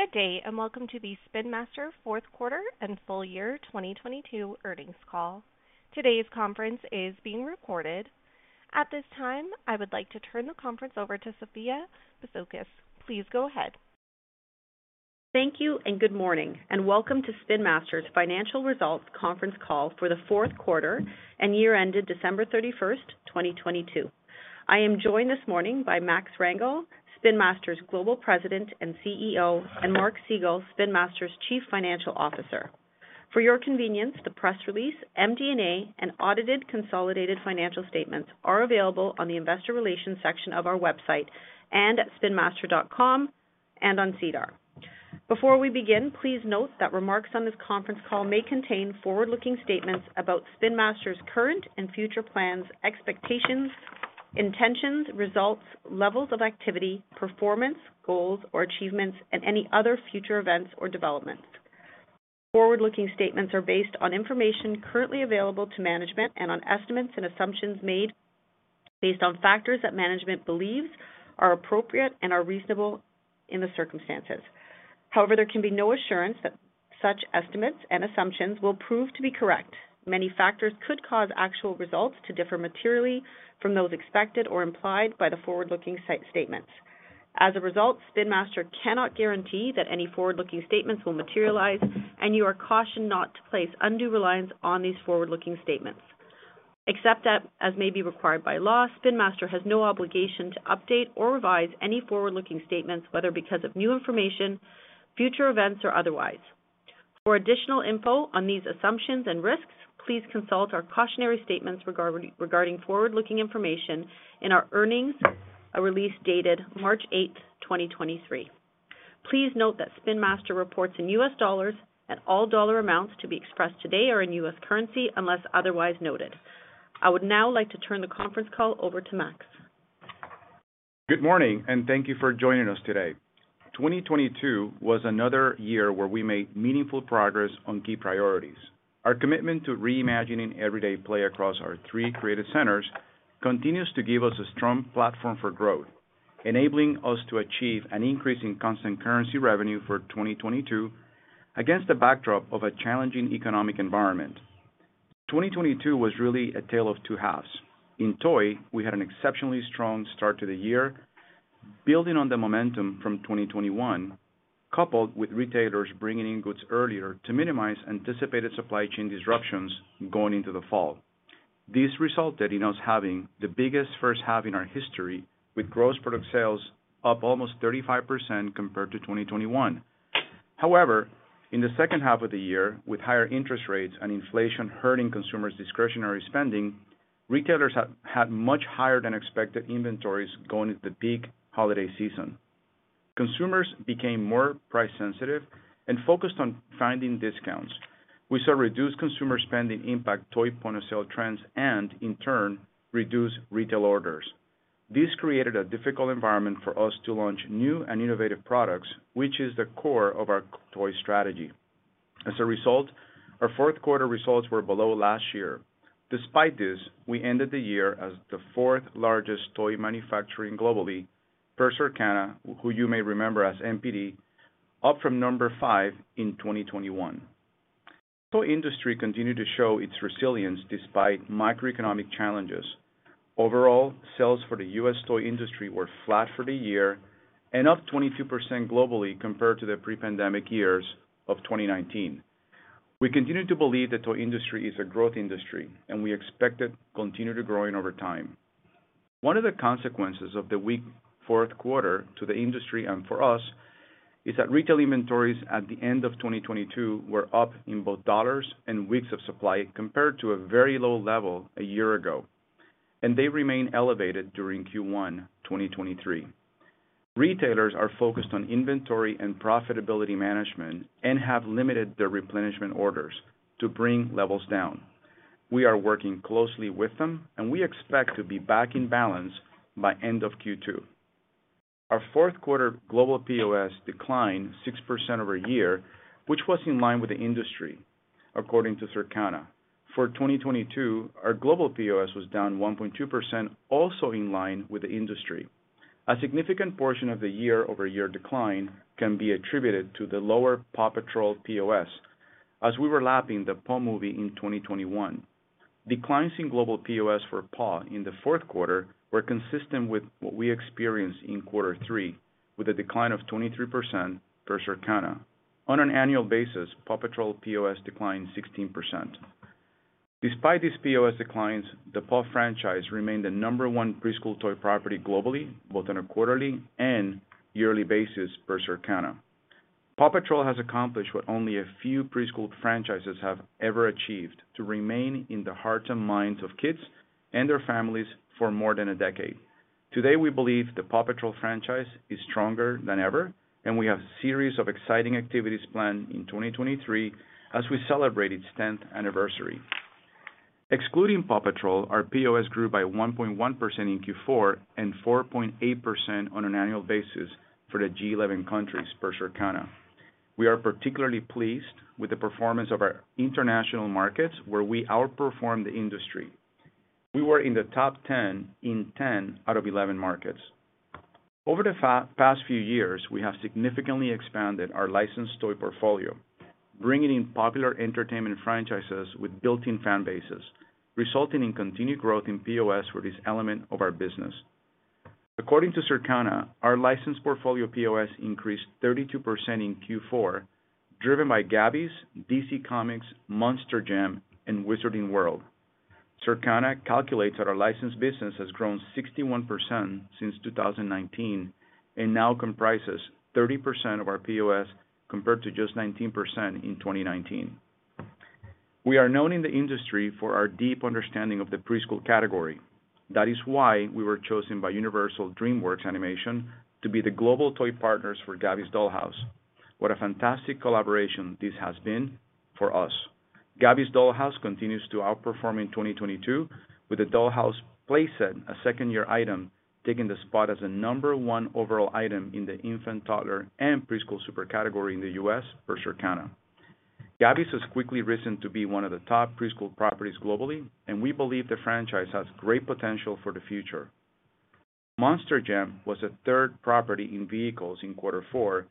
Good day. Welcome to the Spin Master fourth quarter and full year 2022 earnings call. Today's conference is being recorded. At this time, I would like to turn the conference over to Sophia Bisoukis. Please go ahead. Thank you. Good morning, and welcome to Spin Master's Financial Results conference call for the fourth quarter and year ended December 31st, 2022. I am joined this morning by Max Rangel, Spin Master's Global President and CEO, and Mark Segal, Spin Master's Chief Financial Officer. For your convenience, the press release, MD&A, and audited consolidated financial statements are available on the investor relations section of our website and at spinmaster.com and on SEDAR. Before we begin, please note that remarks on this conference call may contain forward-looking statements about Spin Master's current and future plans, expectations, intentions, results, levels of activity, performance, goals or achievements, and any other future events or developments. Forward-looking statements are based on information currently available to management and on estimates and assumptions made based on factors that management believes are appropriate and are reasonable in the circumstances. However, there can be no assurance that such estimates and assumptions will prove to be correct. Many factors could cause actual results to differ materially from those expected or implied by the forward-looking site statements. As a result, Spin Master cannot guarantee that any forward-looking statements will materialize, and you are cautioned not to place undue reliance on these forward-looking statements. Except that as may be required by law, Spin Master has no obligation to update or revise any forward-looking statements, whether because of new information, future events, or otherwise. For additional info on these assumptions and risks, please consult our cautionary statements regarding forward-looking information in our earnings, a release dated March 8, 2023. Please note that Spin Master reports in U.S. dollars and all dollar amounts to be expressed today are in U.S. currency unless otherwise noted. I would now like to turn the conference call over to Max. Good morning, and thank you for joining us today. 2022 was another year where we made meaningful progress on key priorities. Our commitment to reimagining everyday play across our three creative centers continues to give us a strong platform for growth, enabling us to achieve an increase in constant currency revenue for 2022 against the backdrop of a challenging economic environment. 2022 was really a tale of two halves. In toy, we had an exceptionally strong start to the year, building on the momentum from 2021, coupled with retailers bringing in goods earlier to minimize anticipated supply chain disruptions going into the fall. This resulted in us having the biggest first half in our history, with gross product sales up almost 35% compared to 2021. In the second half of the year, with higher interest rates and inflation hurting consumers' discretionary spending, retailers had much higher than expected inventories going into the peak holiday season. Consumers became more price sensitive and focused on finding discounts. We saw reduced consumer spending impact toy point-of-sale trends and, in turn, reduced retail orders. This created a difficult environment for us to launch new and innovative products, which is the core of our toy strategy. Our fourth quarter results were below last year. We ended the year as the fourth largest toy manufacturing globally per Circana, who you may remember as NPD, up from number five in 2021. Toy industry continued to show its resilience despite macroeconomic challenges. Overall, sales for the U.S. toy industry were flat for the year and up 22% globally compared to the pre-pandemic years of 2019. We continue to believe the toy industry is a growth industry, and we expect it continue to growing over time. One of the consequences of the weak fourth quarter to the industry and for us is that retail inventories at the end of 2022 were up in both dollars and weeks of supply compared to a very low level a year ago, and they remain elevated during Q1 2023. Retailers are focused on inventory and profitability management and have limited their replenishment orders to bring levels down. We are working closely with them, and we expect to be back in balance by end of Q2. Our fourth quarter global POS declined 6% over year, which was in line with the industry according to Circana. For 2022, our global POS was down 1.2%, also in line with the industry. A significant portion of the year-over-year decline can be attributed to the lower PAW Patrol POS as we were lapping the PAW movie in 2021. Declines in global POS for PAW in the fourth quarter were consistent with what we experienced in quarter three, with a decline of 23% per Circana. On an annual basis, PAW Patrol POS declined 16%. Despite these POS declines, the PAW franchise remained the number one preschool toy property globally, both on a quarterly and yearly basis per Circana. PAW Patrol has accomplished what only a few preschool franchises have ever achieved, to remain in the hearts and minds of kids and their families for more than a decade. Today, we believe the PAW Patrol franchise is stronger than ever, we have a series of exciting activities planned in 2023 as we celebrate its 10th anniversary. Excluding PAW Patrol, our POS grew by 1.1% in Q4 and 4.8% on an annual basis for the G11 countries per Circana. We are particularly pleased with the performance of our international markets, where we outperformed the industry. We were in the top 10 in 10 out of 11 markets. Over the past few years, we have significantly expanded our licensed toy portfolio, bringing in popular entertainment franchises with built-in fan bases, resulting in continued growth in POS for this element of our business. According to Circana, our licensed portfolio POS increased 32% in Q4, driven by Gabby's, DC Comics, Monster Jam, and Wizarding World. Circana calculates that our licensed business has grown 61% since 2019, now comprises 30% of our POS, compared to just 19% in 2019. We are known in the industry for our deep understanding of the preschool category. That is why we were chosen by DreamWorks Animation to be the global toy partners for Gabby's Dollhouse. What a fantastic collaboration this has been for us. Gabby's Dollhouse continues to outperform in 2022, with the Dollhouse play set, a second-year item, taking the spot as the number 1 overall item in the infant, toddler, and preschool super category in the US for Circana. Gabby's has quickly risen to be one of the top preschool properties globally, and we believe the franchise has great potential for the future. Monster Jam was a third property in vehicles in quarter four,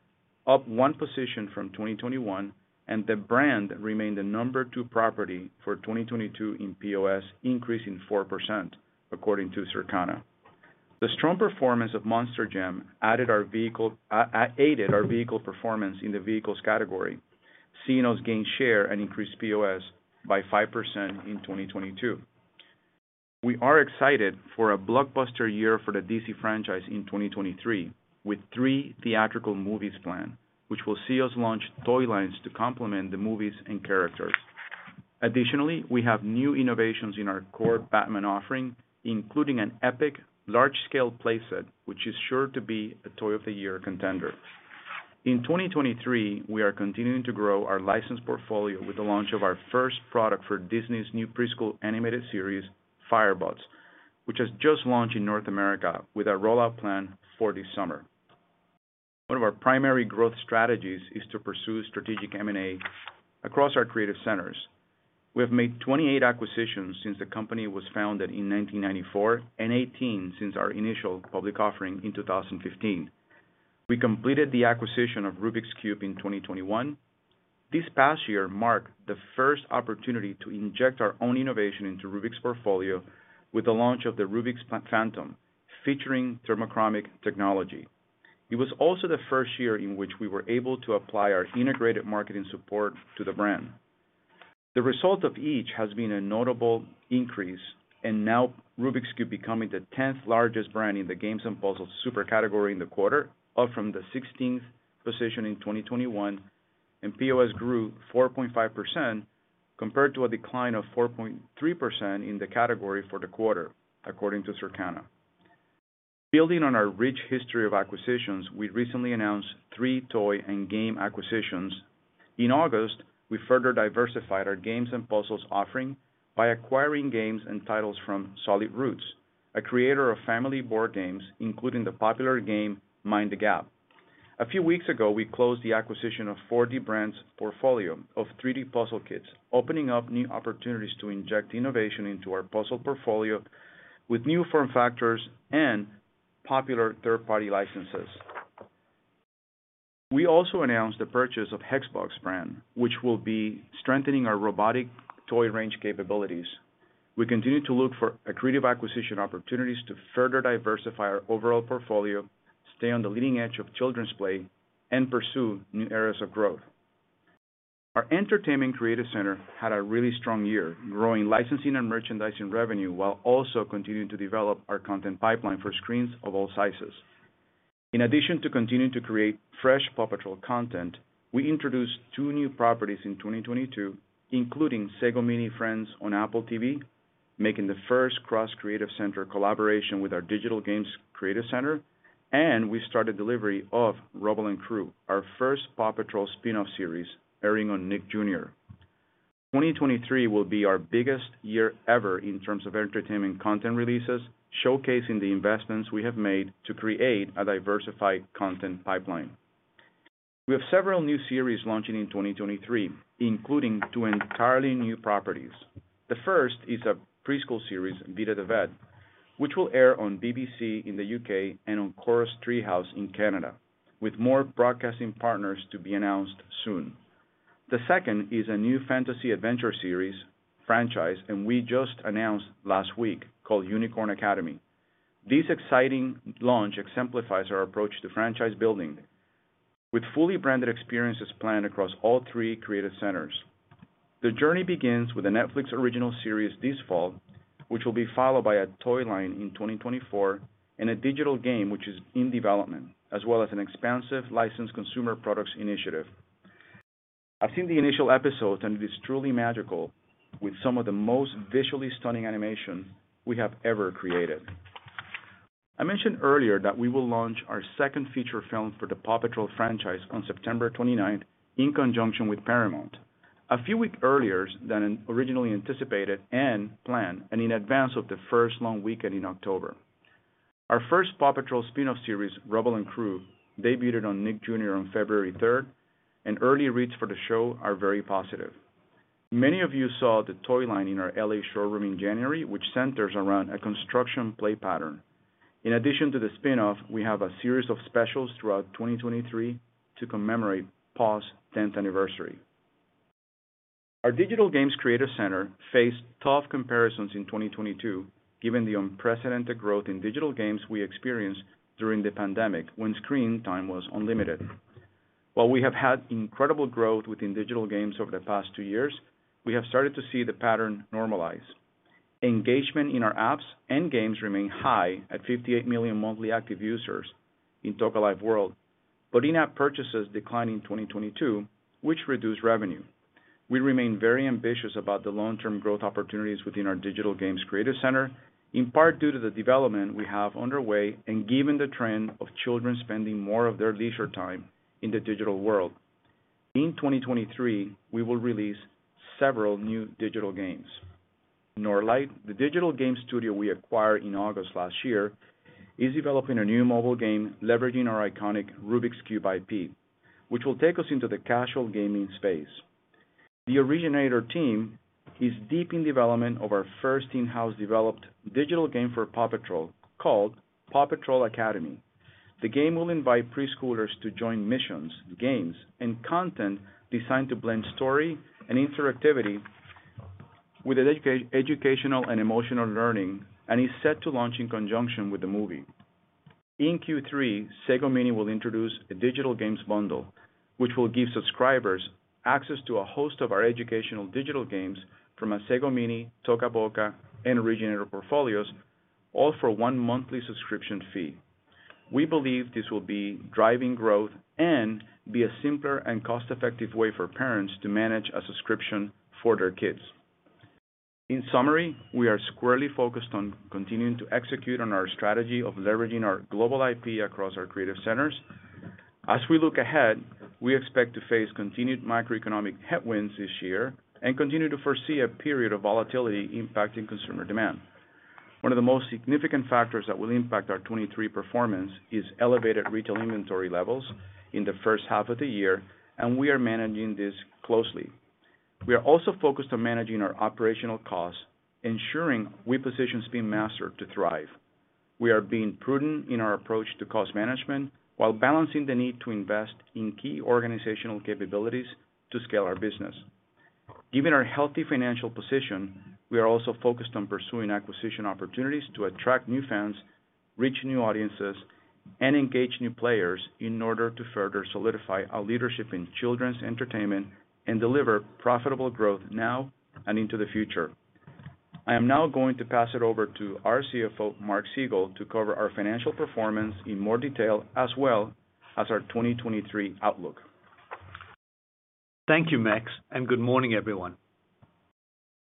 up one position from 2021, and the brand remained the number two property for 2022 in POS, increasing 4% according to Circana. The strong performance of Monster Jam aided our vehicle performance in the vehicles category, seeing us gain share and increase POS by 5% in 2022. We are excited for a blockbuster year for the DC franchise in 2023, with three theatrical movies planned, which will see us launch toy lines to complement the movies and characters. Additionally, we have new innovations in our core Batman offering, including an epic large-scale play set, which is sure to be a Toy of the Year contender. In 2023, we are continuing to grow our licensed portfolio with the launch of our first product for Disney's new preschool animated series, Firebuds, which has just launched in North America with a rollout plan for this summer. One of our primary growth strategies is to pursue strategic M&A across our creative centers. We have made 28 acquisitions since the company was founded in 1994, and 18 since our initial public offering in 2015. We completed the acquisition of Rubik's Cube in 2021. This past year marked the first opportunity to inject our own innovation into Rubik's portfolio with the launch of the Rubik's Phantom, featuring thermochromic technology. It was also the first year in which we were able to apply our integrated marketing support to the brand. The result of each has been a notable increase. Now Rubik's Cube becoming the tenth-largest brand in the games and puzzles super category in the quarter, up from the sixteenth position in 2021. POS grew 4.5% compared to a decline of 4.3% in the category for the quarter, according to Circana. Building on our rich history of acquisitions, we recently announced three toy and game acquisitions. In August, we further diversified our games and puzzles offering by acquiring games and titles from SolidRoots, a creator of family board games, including the popular game, Mind the Gap. A few weeks ago, we closed the acquisition of 4D Brands portfolio of 3D puzzle kits, opening up new opportunities to inject innovation into our puzzle portfolio with new form factors and popular third-party licenses. We also announced the purchase of HEXBUG's brand, which will be strengthening our robotic toy range capabilities. We continue to look for accretive acquisition opportunities to further diversify our overall portfolio, stay on the leading edge of children's play, and pursue new areas of growth. Our entertainment creative center had a really strong year, growing licensing and merchandising revenue while also continuing to develop our content pipeline for screens of all sizes. In addition to continuing to create fresh PAW Patrol content, we introduced two new properties in 2022, including Sago Mini Friends on Apple TV+, making the first cross-creative center collaboration with our digital games creative center, and we started delivery of Rubble & Crew, our first PAW Patrol spin-off series, airing on Nick Jr. 2023 will be our biggest year ever in terms of entertainment content releases, showcasing the investments we have made to create a diversified content pipeline. We have several new series launching in 2023, including two entirely new properties. The first is a preschool series, Vida the Vet, which will air on BBC in the U.K. and on Corus Treehouse in Canada, with more broadcasting partners to be announced soon. The second is a new fantasy adventure series franchise. We just announced last week called Unicorn Academy. This exciting launch exemplifies our approach to franchise building. With fully branded experiences planned across all three creative centers. The journey begins with a Netflix original series this fall, which will be followed by a toy line in 2024 and a digital game which is in development, as well as an expansive licensed consumer products initiative. I've seen the initial episodes, and it is truly magical with some of the most visually stunning animation we have ever created. I mentioned earlier that we will launch our second feature film for the PAW Patrol franchise on September 29th in conjunction with Paramount, a few weeks earlier than originally anticipated and planned, and in advance of the first long weekend in October. Our first PAW Patrol spin-off series, Rubble & Crew, debuted on Nick Jr. on February 3rd, and early reads for the show are very positive. Many of you saw the toy line in our L.A. showroom in January, which centers around a construction play pattern. In addition to the spin-off, we have a series of specials throughout 2023 to commemorate PAW's 10th anniversary. Our digital games creative center faced tough comparisons in 2022, given the unprecedented growth in digital games we experienced during the pandemic when screen time was unlimited. While we have had incredible growth within digital games over the past 2 years, we have started to see the pattern normalize. Engagement in our apps and games remain high at 58 million monthly active users in Toca Life: World, but in-app purchases declined in 2022, which reduced revenue. We remain very ambitious about the long-term growth opportunities within our digital games creative center, in part due to the development we have underway and given the trend of children spending more of their leisure time in the digital world. In 2023, we will release several new digital games. Nørdlight, the digital game studio we acquired in August last year, is developing a new mobile game leveraging our iconic Rubik's Cube IP, which will take us into the casual gaming space. The Originator team is deep in development of our first in-house developed digital game for PAW Patrol called PAW Patrol Academy. The game will invite preschoolers to join missions, games, and content designed to blend story and interactivity with educational and emotional learning and is set to launch in conjunction with the movie. In Q3, Sago Mini will introduce a digital games bundle, which will give subscribers access to a host of our educational digital games from a Sago Mini, Toca Boca, and Originator portfolios, all for one monthly subscription fee. We believe this will be driving growth and be a simpler and cost-effective way for parents to manage a subscription for their kids. In summary, we are squarely focused on continuing to execute on our strategy of leveraging our global IP across our creative centers. As we look ahead, we expect to face continued macroeconomic headwinds this year and continue to foresee a period of volatility impacting consumer demand. One of the most significant factors that will impact our 2023 performance is elevated retail inventory levels in the first half of the year, and we are managing this closely. We are also focused on managing our operational costs, ensuring we position Spin Master to thrive. We are being prudent in our approach to cost management while balancing the need to invest in key organizational capabilities to scale our business. Given our healthy financial position, we are also focused on pursuing acquisition opportunities to attract new fans, reach new audiences, and engage new players in order to further solidify our leadership in children's entertainment and deliver profitable growth now and into the future. I am now going to pass it over to our CFO, Mark Segal, to cover our financial performance in more detail, as well as our 2023 outlook. Thank you, Max. Good morning, everyone.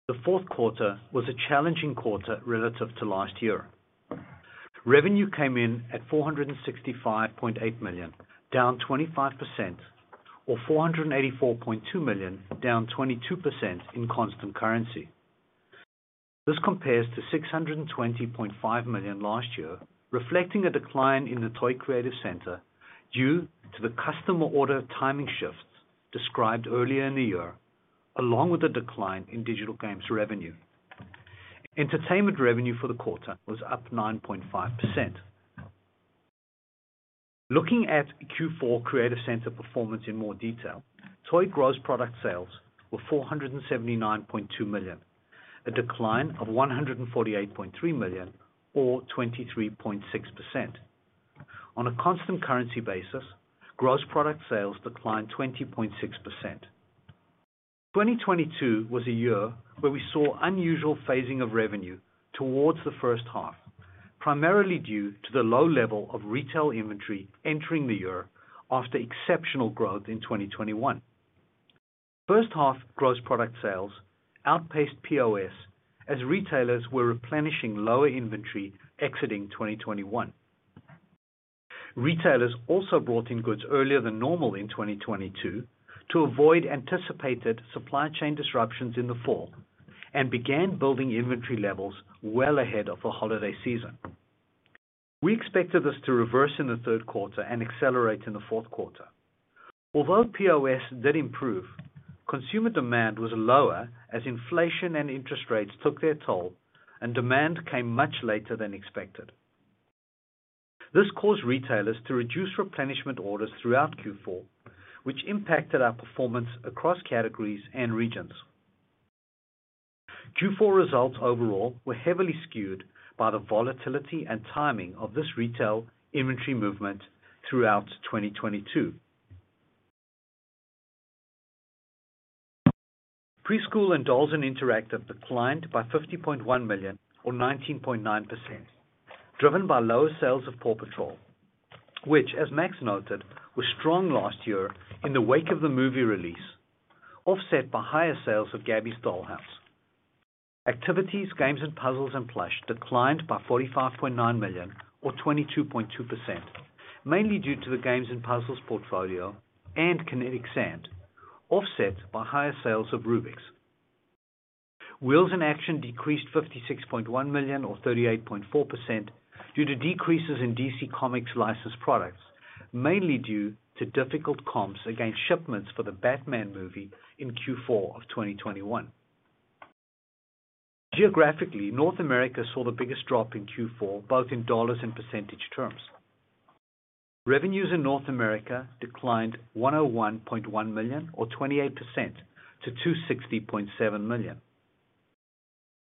The fourth quarter was a challenging quarter relative to last year. Revenue came in at $465.8 million, down 25%, or $484.2 million, down 22% in constant currency. This compares to $620.5 million last year, reflecting a decline in the toy creative center due to the customer order timing shifts described earlier in the year, along with a decline in digital games revenue. Entertainment revenue for the quarter was up 9.5%. Looking at Q4 creative center performance in more detail, toy gross product sales were $479.2 million, a decline of $148.3 million or 23.6%. On a constant currency basis, gross product sales declined 20.6%. 2022 was a year where we saw unusual phasing of revenue towards the first half, primarily due to the low level of retail inventory entering the year after exceptional growth in 2021. First half gross product sales outpaced POS as retailers were replenishing lower inventory exiting 2021. Retailers also brought in goods earlier than normal in 2022 to avoid anticipated supply chain disruptions in the fall and began building inventory levels well ahead of the holiday season. We expected this to reverse in the third quarter and accelerate in the fourth quarter. Although POS did improve, consumer demand was lower as inflation and interest rates took their toll and demand came much later than expected. This caused retailers to reduce replenishment orders throughout Q4, which impacted our performance across categories and regions. Q4 results overall were heavily skewed by the volatility and timing of this retail inventory movement throughout 2022. Preschool and dolls and interactive declined by $50.1 million or 19.9%, driven by lower sales of PAW Patrol, which, as Max noted, was strong last year in the wake of the movie release, offset by higher sales of Gabby's Dollhouse. Activities, games, and puzzles and plush declined by $45.9 million or 22.2%, mainly due to the games and puzzles portfolio and Kinetic Sand, offset by higher sales of Rubik's. Wheels in Action decreased $56.1 million or 38.4% due to decreases in DC Comics licensed products, mainly due to difficult comps against shipments for the Batman movie in Q4 of 2021. Geographically, North America saw the biggest drop in Q4, both in dollars and percentage terms. Revenues in North America declined $101.1 million or 28% to $260.7 million.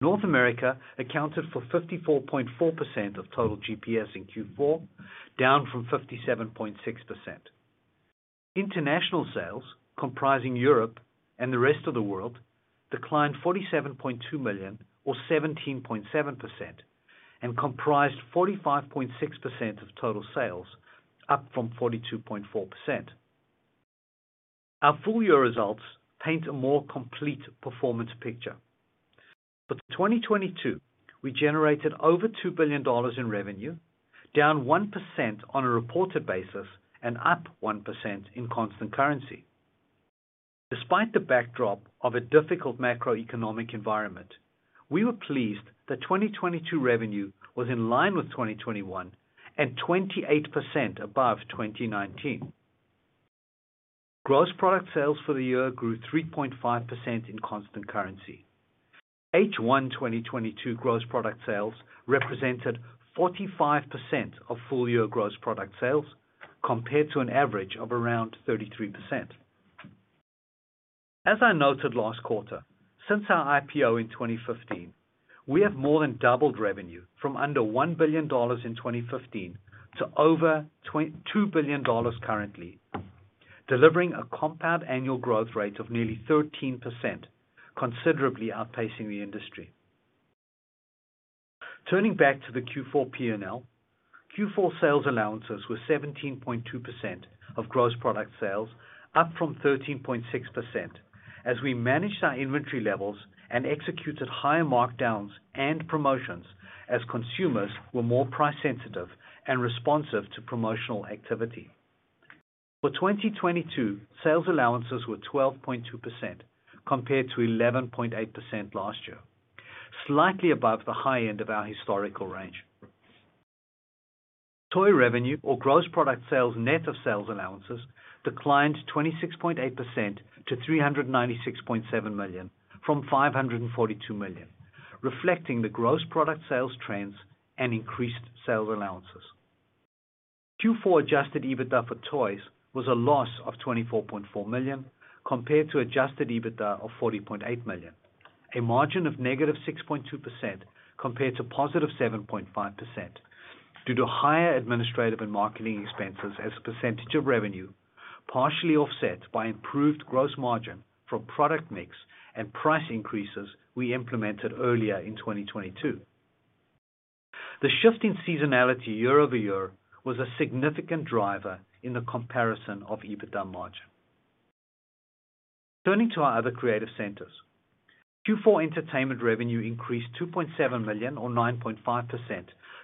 North America accounted for 54.4% of total GPS in Q4, down from 57.6%. International sales, comprising Europe and the rest of the world, declined $47.2 million or 17.7% and comprised 45.6% of total sales, up from 42.4%. Our full year results paint a more complete performance picture. For 2022, we generated over $2 billion in revenue, down 1% on a reported basis and up 1% in constant currency. Despite the backdrop of a difficult macroeconomic environment, we were pleased that 2022 revenue was in line with 2021 and 28% above 2019. Gross product sales for the year grew 3.5% in constant currency. I noted last quarter, since our IPO in 2015, we have more than doubled revenue from under $1 billion in 2015 to over $2 billion currently, delivering a compound annual growth rate of nearly 13%, considerably outpacing the industry. Back to the Q4 P&L, Q4 sales allowances were 17.2% of gross product sales, up from 13.6% as we managed our inventory levels and executed higher markdowns and promotions as consumers were more price sensitive and responsive to promotional activity. 2022, sales allowances were 12.2% compared to 11.8% last year, slightly above the high end of our historical range. Toy revenue or gross product sales net of sales allowances declined 26.8% to $396.7 million from $542 million, reflecting the gross product sales trends and increased sales allowances. Q4 adjusted EBITDA for toys was a loss of $24.4 million compared to adjusted EBITDA of $40.8 million. A margin of -6.2% compared to +7.5% due to higher administrative and marketing expenses as a percentage of revenue, partially offset by improved gross margin from product mix and price increases we implemented earlier in 2022. The shift in seasonality year-over-year was a significant driver in the comparison of EBITDA margin. Turning to our other creative centers. Q4 entertainment revenue increased $2.7 million or 9.5%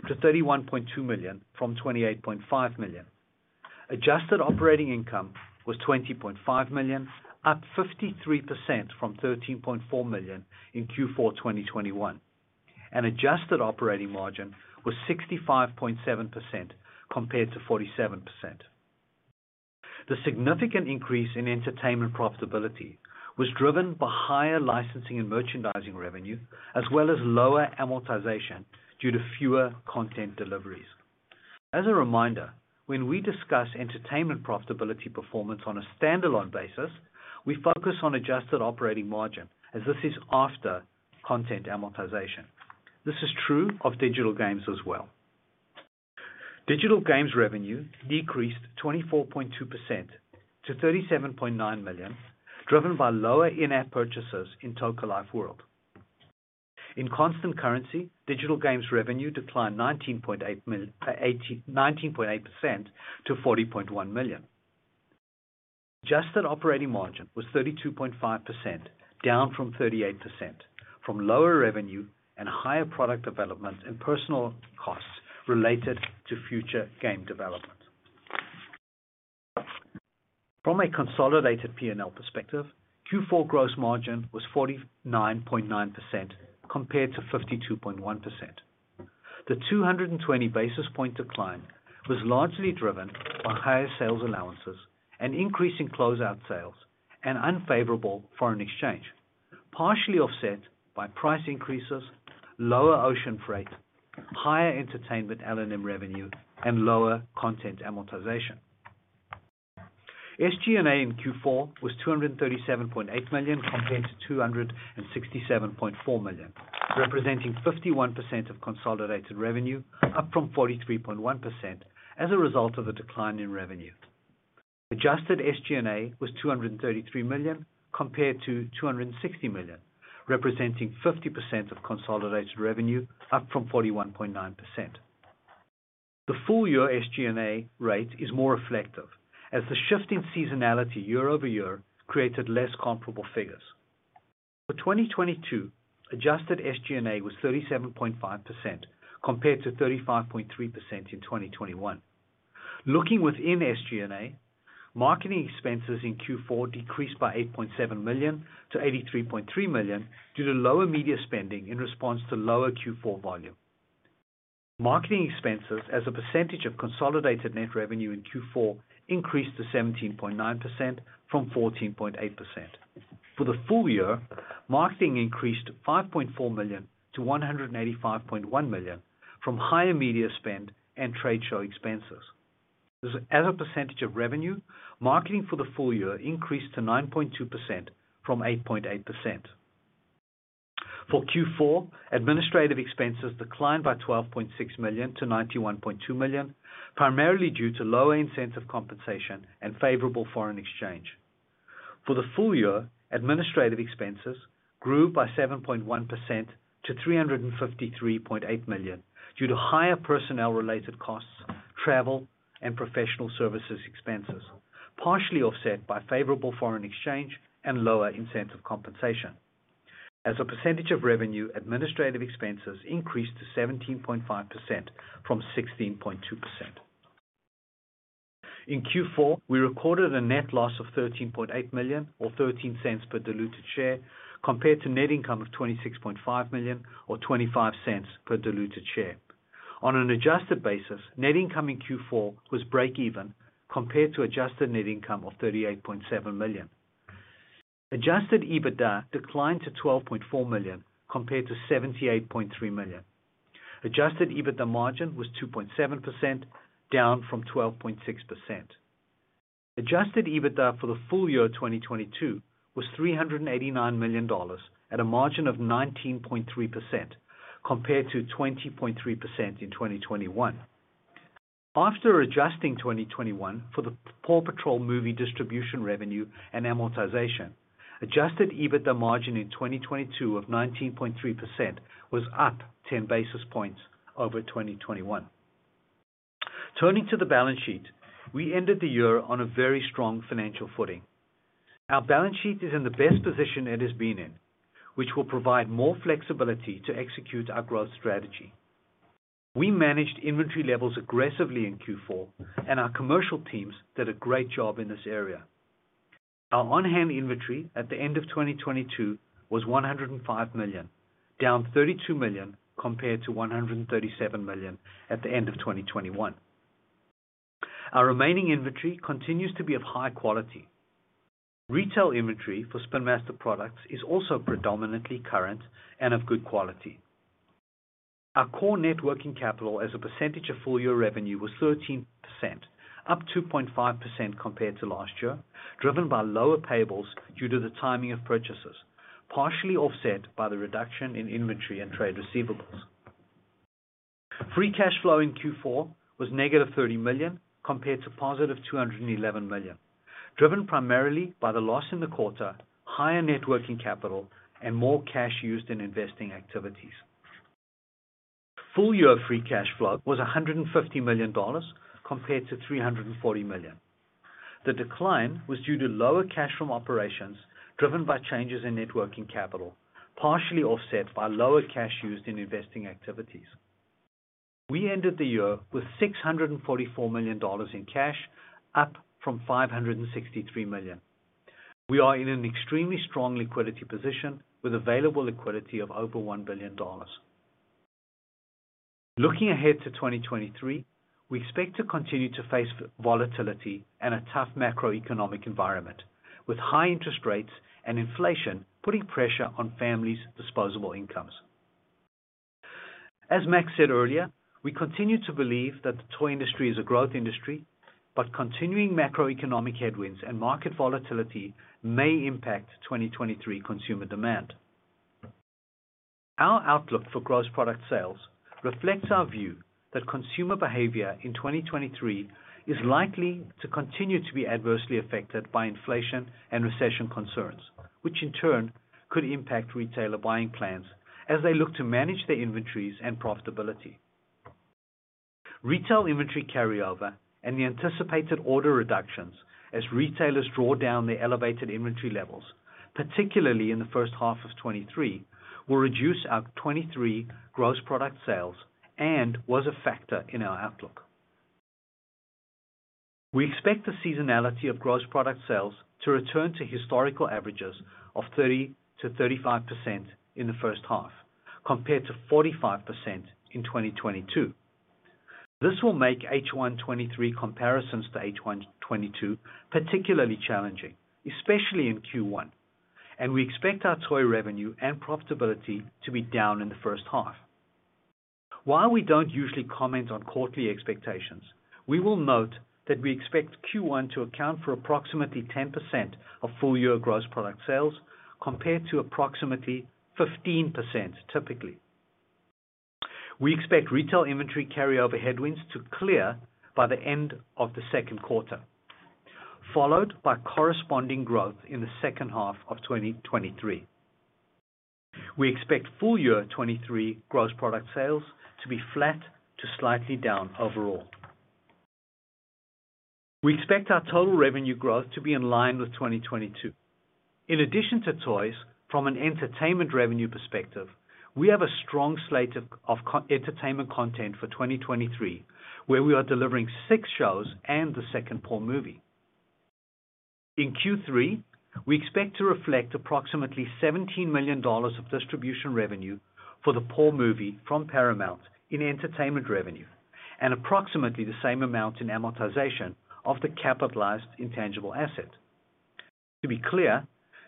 to $31.2 million from $28.5 million. Adjusted operating income was $20.5 million, up 53% from $13.4 million in Q4 2021, and adjusted operating margin was 65.7% compared to 47%. The significant increase in entertainment profitability was driven by higher licensing and merchandising revenue, as well as lower amortization due to fewer content deliveries. As a reminder, when we discuss entertainment profitability performance on a standalone basis, we focus on adjusted operating margin as this is after content amortization. This is true of digital games as well. Digital games revenue decreased 24.2% to $37.9 million, driven by lower in-app purchases in Toca Life: World. In constant currency, digital games revenue declined 19.8% to $40.1 million. Adjusted operating margin was 32.5%, down from 38% from lower revenue and higher product development and personal costs related to future game development. From a consolidated P&L perspective, Q4 gross margin was 49.9% compared to 52.1%. The 220 basis point decline was largely driven by higher sales allowances and increasing closeout sales and unfavorable foreign exchange, partially offset by price increases, lower ocean freight, higher entertainment L&M revenue, and lower content amortization. SG&A in Q4 was $237.8 million compared to $267.4 million, representing 51% of consolidated revenue, up from 43.1% as a result of a decline in revenue. Adjusted SG&A was $233 million compared to $260 million, representing 50% of consolidated revenue, up from 41.9%. The full year SG&A rate is more reflective as the shift in seasonality year-over-year created less comparable figures. For 2022, adjusted SG&A was 37.5% compared to 35.3% in 2021. Looking within SG&A, marketing expenses in Q4 decreased by $8.7 million to $83.3 million due to lower media spending in response to lower Q4 volume. Marketing expenses as a percentage of consolidated net revenue in Q4 increased to 17.9% from 14.8%. For the full year, marketing increased to $5.4 million to $185.1 million from higher media spend and trade show expenses. As a percentage of revenue, marketing for the full year increased to 9.2% from 8.8%. For Q4, administrative expenses declined by $12.6 million to $91.2 million, primarily due to lower incentive compensation and favorable foreign exchange. For the full year, administrative expenses grew by 7.1% to $353.8 million due to higher personnel related costs, travel and professional services expenses, partially offset by favorable foreign exchange and lower incentive compensation. As a percentage of revenue, administrative expenses increased to 17.5% from 16.2%. In Q4, we recorded a net loss of $13.8 million or $0.13 per diluted share compared to net income of $26.5 million or $0.25 per diluted share. On an adjusted basis, net income in Q4 was break even compared to adjusted net income of $38.7 million. Adjusted EBITDA declined to $12.4 million compared to $78.3 million. Adjusted EBITDA margin was 2.7% down from 12.6%. Adjusted EBITDA for the full year of 2022 was $389 million at a margin of 19.3% compared to 20.3% in 2021. After adjusting 2021 for the PAW Patrol movie distribution revenue and amortization, adjusted EBITDA margin in 2022 of 19.3% was up 10 basis points over 2021. Turning to the balance sheet, we ended the year on a very strong financial footing. Our balance sheet is in the best position it has been in, which will provide more flexibility to execute our growth strategy. We managed inventory levels aggressively in Q4. Our commercial teams did a great job in this area. Our on-hand inventory at the end of 2022 was $105 million, down $32 million compared to $137 million at the end of 2021. Our remaining inventory continues to be of high quality. Retail inventory for Spin Master products is also predominantly current and of good quality. Our core net working capital as a percentage of full year revenue was 13%, up 2.5% compared to last year, driven by lower payables due to the timing of purchases, partially offset by the reduction in inventory and trade receivables. Free cash flow in Q4 was -$30 million compared to positive $211 million, driven primarily by the loss in the quarter, higher net working capital and more cash used in investing activities. Full year free cash flow was $150 million compared to $340 million. The decline was due to lower cash from operations driven by changes in net working capital, partially offset by lower cash used in investing activities. We ended the year with $644 million in cash, up from $563 million. We are in an extremely strong liquidity position with available liquidity of over $1 billion. Looking ahead to 2023, we expect to continue to face volatility and a tough macroeconomic environment, with high interest rates and inflation putting pressure on families' disposable incomes. As Max said earlier, we continue to believe that the toy industry is a growth industry, but continuing macroeconomic headwinds and market volatility may impact 2023 consumer demand. Our outlook for gross product sales reflects our view that consumer behavior in 2023 is likely to continue to be adversely affected by inflation and recession concerns, which in turn could impact retailer buying plans as they look to manage their inventories and profitability. Retail inventory carryover and the anticipated order reductions as retailers draw down their elevated inventory levels, particularly in the first half of 2023, will reduce our 2023 gross product sales and was a factor in our outlook. We expect the seasonality of gross product sales to return to historical averages of 30%-35% in the first half compared to 45% in 2022. This will make H1 2023 comparisons to H1 2022 particularly challenging, especially in Q1. We expect our toy revenue and profitability to be down in the first half. While we don't usually comment on quarterly expectations, we will note that we expect Q1 to account for approximately 10% of full year gross product sales compared to approximately 15% typically. We expect retail inventory carryover headwinds to clear by the end of the second quarter, followed by corresponding growth in the second half of 2023. We expect full year 2023 gross product sales to be flat to slightly down overall. We expect our total revenue growth to be in line with 2022. In addition to toys, from an entertainment revenue perspective, we have a strong slate of entertainment content for 2023, where we are delivering six shows and the second PAW movie. In Q3, we expect to reflect approximately $17 million of distribution revenue for the PAW movie from Paramount in entertainment revenue and approximately the same amount in amortization of the capitalized intangible asset. To be clear,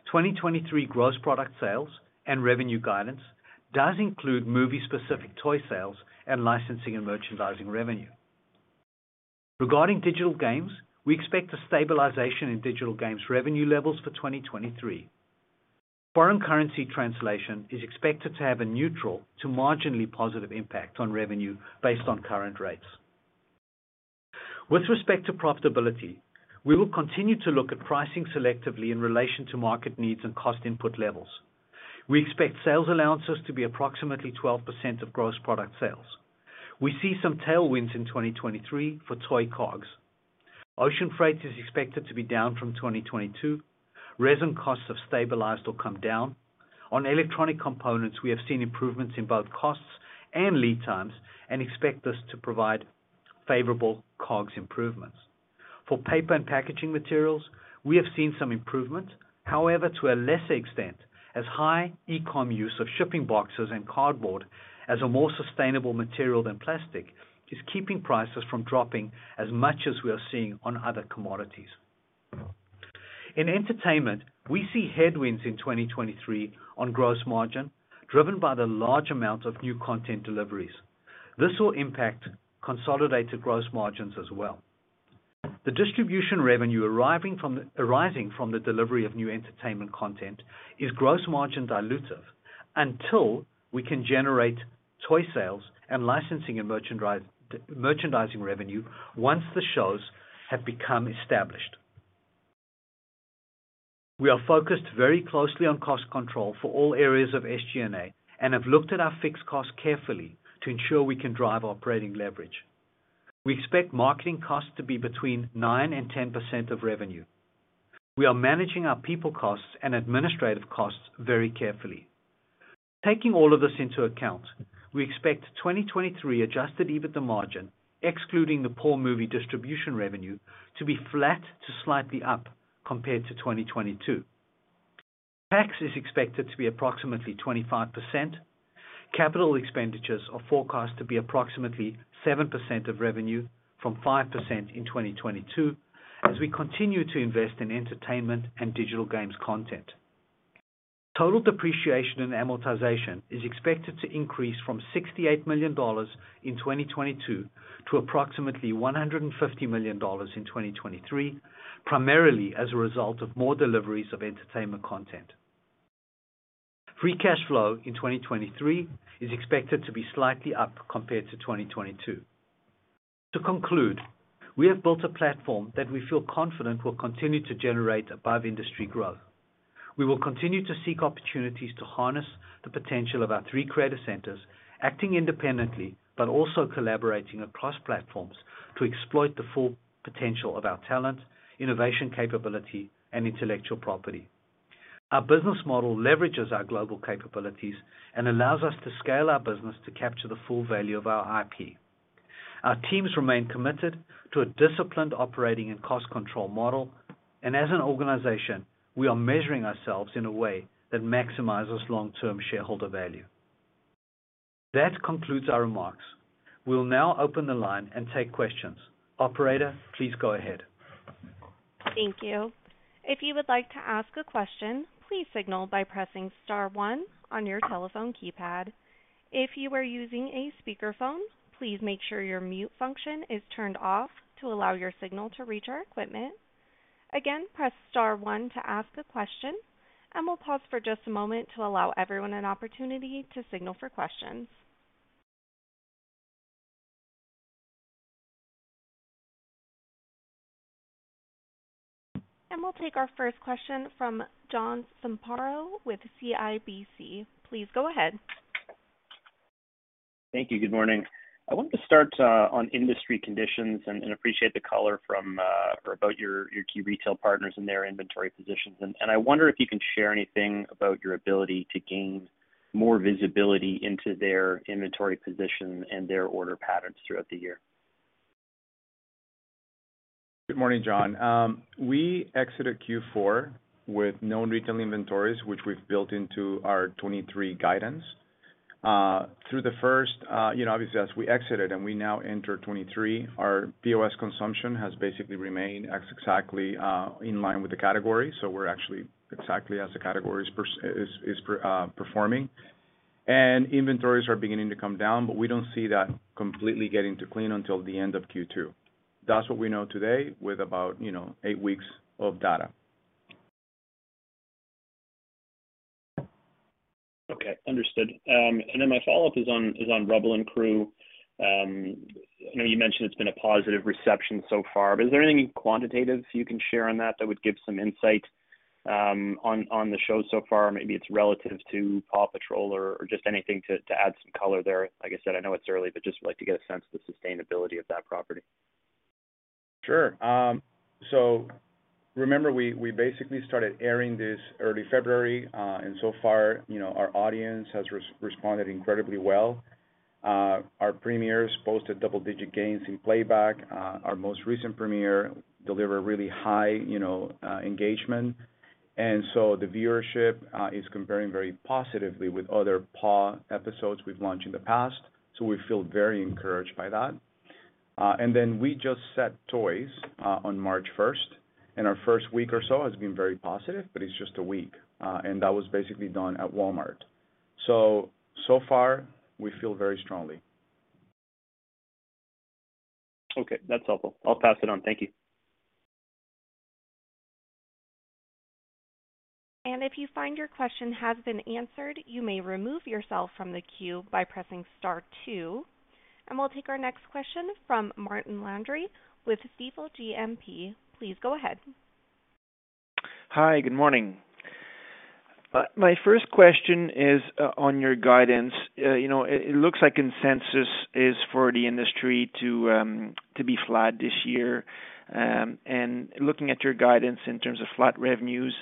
2023 gross product sales and revenue guidance does include movie-specific toy sales and licensing and merchandising revenue. Regarding digital games, we expect a stabilization in digital games revenue levels for 2023. Foreign currency translation is expected to have a neutral to marginally positive impact on revenue based on current rates. With respect to profitability, we will continue to look at pricing selectively in relation to market needs and cost input levels. We expect sales allowances to be approximately 12% of gross product sales. We see some tailwinds in 2023 for toy COGS. Ocean freight is expected to be down from 2022. Resin costs have stabilized or come down. On electronic components, we have seen improvements in both costs and lead times and expect this to provide favorable COGS improvements. For paper and packaging materials, we have seen some improvement. However, to a lesser extent, as high e-com use of shipping boxes and cardboard as a more sustainable material than plastic is keeping prices from dropping as much as we are seeing on other commodities. In entertainment, we see headwinds in 2023 on gross margin, driven by the large amount of new content deliveries. This will impact consolidated gross margins as well. The distribution revenue arising from the delivery of new entertainment content is gross margin dilutive until we can generate toy sales and licensing and merchandising revenue once the shows have become established. We are focused very closely on cost control for all areas of SG&A and have looked at our fixed costs carefully to ensure we can drive operating leverage. We expect marketing costs to be between 9%-10% of revenue. We are managing our people costs and administrative costs very carefully. Taking all of this into account, we expect 2023 adjusted EBITDA margin, excluding the PAW movie distribution revenue, to be flat to slightly up compared to 2022. Tax is expected to be approximately 25%. Capital expenditures are forecast to be approximately 7% of revenue from 5% in 2022 as we continue to invest in entertainment and digital games content. Total depreciation and amortization is expected to increase from $68 million in 2022 to approximately $150 million in 2023, primarily as a result of more deliveries of entertainment content. Free cash flow in 2023 is expected to be slightly up compared to 2022. To conclude, we have built a platform that we feel confident will continue to generate above-industry growth. We will continue to seek opportunities to harness the potential of our three creative centers acting independently but also collaborating across platforms to exploit the full potential of our talent, innovation capability, and intellectual property. Our business model leverages our global capabilities and allows us to scale our business to capture the full value of our IP. Our teams remain committed to a disciplined operating and cost control model. As an organization, we are measuring ourselves in a way that maximizes long-term shareholder value. That concludes our remarks. We'll now open the line and take questions. Operator, please go ahead. Thank you. If you would like to ask a question, please signal by pressing star one on your telephone keypad. If you are using a speakerphone, please make sure your mute function is turned off to allow your signal to reach our equipment. Again, press star one to ask a question. We'll pause for just a moment to allow everyone an opportunity to signal for questions. We'll take our first question from John Zamparo with CIBC. Please go ahead. Thank you. Good morning. I wanted to start on industry conditions and appreciate the color from or about your key retail partners and their inventory positions. I wonder if you can share anything about your ability to gain more visibility into their inventory position and their order patterns throughout the year. Good morning, John. We exited Q4 with known retail inventories, which we've built into our 2023 guidance. you know, obviously, as we exited and we now enter 2023, our POS consumption has basically remained exactly in line with the category. We're actually exactly as the category is performing. Inventories are beginning to come down, but we don't see that completely getting to clean until the end of Q2. That's what we know today with about, you know, eight weeks of data. Okay. Understood. My follow-up is on Rubble & Crew. I know you mentioned it's been a positive reception so far, but is there anything quantitative you can share on that would give some insight? On the show so far, maybe it's relative to PAW Patrol or just anything to add some color there. Like I said, I know it's early, but just like to get a sense of the sustainability of that property. Sure. Remember, we basically started airing this early February, so far, you know, our audience has responded incredibly well. Our premieres posted double-digit gains in playback. Our most recent premiere delivered really high, you know, engagement. The viewership is comparing very positively with other PAW episodes we've launched in the past. We feel very encouraged by that. We just set toys on March 1st, and our 1st week or so has been very positive, but it's just a week. That was basically done at Walmart. So far we feel very strongly. Okay, that's helpful. I'll pass it on. Thank you. If you find your question has been answered, you may remove yourself from the queue by pressing star two. We'll take our next question from Martin Landry with Stifel GMP. Please go ahead. Hi. Good morning. My first question is on your guidance. You know, it looks like consensus is for the industry to be flat this year. Looking at your guidance in terms of flat revenues,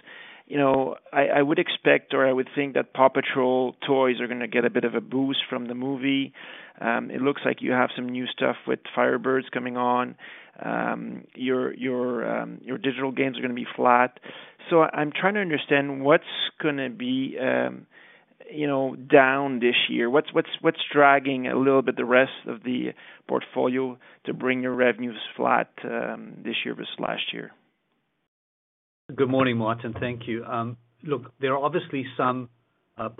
you know, I would expect or I would think that PAW Patrol toys are gonna get a bit of a boost from the movie. It looks like you have some new stuff with Firebuds coming on. Your digital games are gonna be flat. I'm trying to understand what's gonna be, you know, down this year. What's dragging a little bit the rest of the portfolio to bring your revenues flat this year versus last year? Good morning, Martin. Thank you. Look, there are obviously some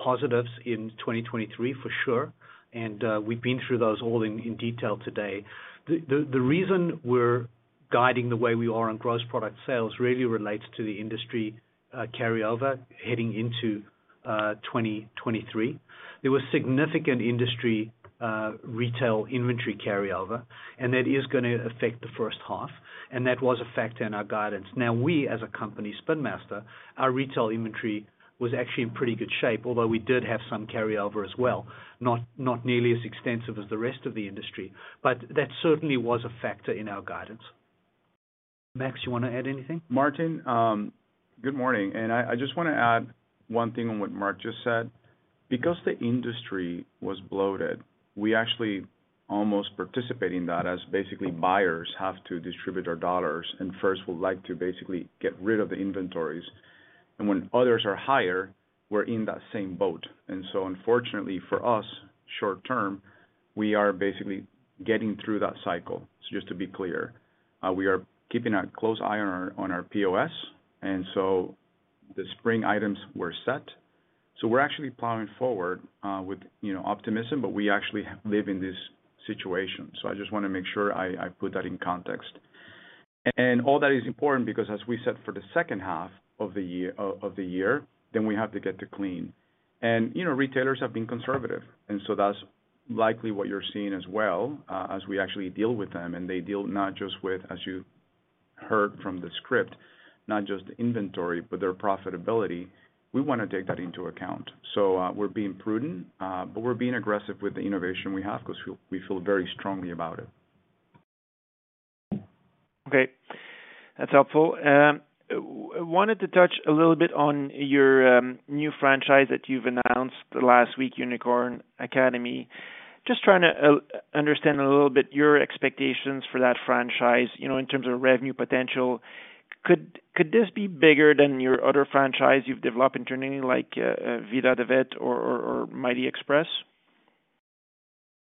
positives in 2023 for sure. We've been through those all in detail today. The reason we're guiding the way we are on gross product sales really relates to the industry carryover heading into 2023. There was significant industry retail inventory carryover, that is gonna affect the first half, that was a factor in our guidance. Now we, as a company, Spin Master, our retail inventory was actually in pretty good shape, although we did have some carryover as well, not nearly as extensive as the rest of the industry. That certainly was a factor in our guidance. Max, you wanna add anything? Martin, good morning. I just wanna add one thing on what Mark just said. Because the industry was bloated, we actually almost participate in that as basically buyers have to distribute our dollars, and first would like to basically get rid of the inventories. When others are higher, we're in that same boat. Unfortunately for us, short term, we are basically getting through that cycle. Just to be clear, we are keeping a close eye on our POS, the spring items were set. We're actually plowing forward, with, you know, optimism, but we actually live in this situation. I just wanna make sure I put that in context. All that is important because as we said, for the second half of the year, of the year, we have to get to clean. You know, retailers have been conservative, and so that's likely what you're seeing as well, as we actually deal with them, and they deal not just with, as you heard from the script, not just inventory, but their profitability. We wanna take that into account. We're being prudent, but we're being aggressive with the innovation we have 'cause we feel very strongly about it. Okay, that's helpful. Wanted to touch a little bit on your new franchise that you've announced the last week, Unicorn Academy. Just trying to understand a little bit your expectations for that franchise, you know, in terms of revenue potential. Could this be bigger than your other franchise you've developed internally like Vida the Vet or Mighty Express?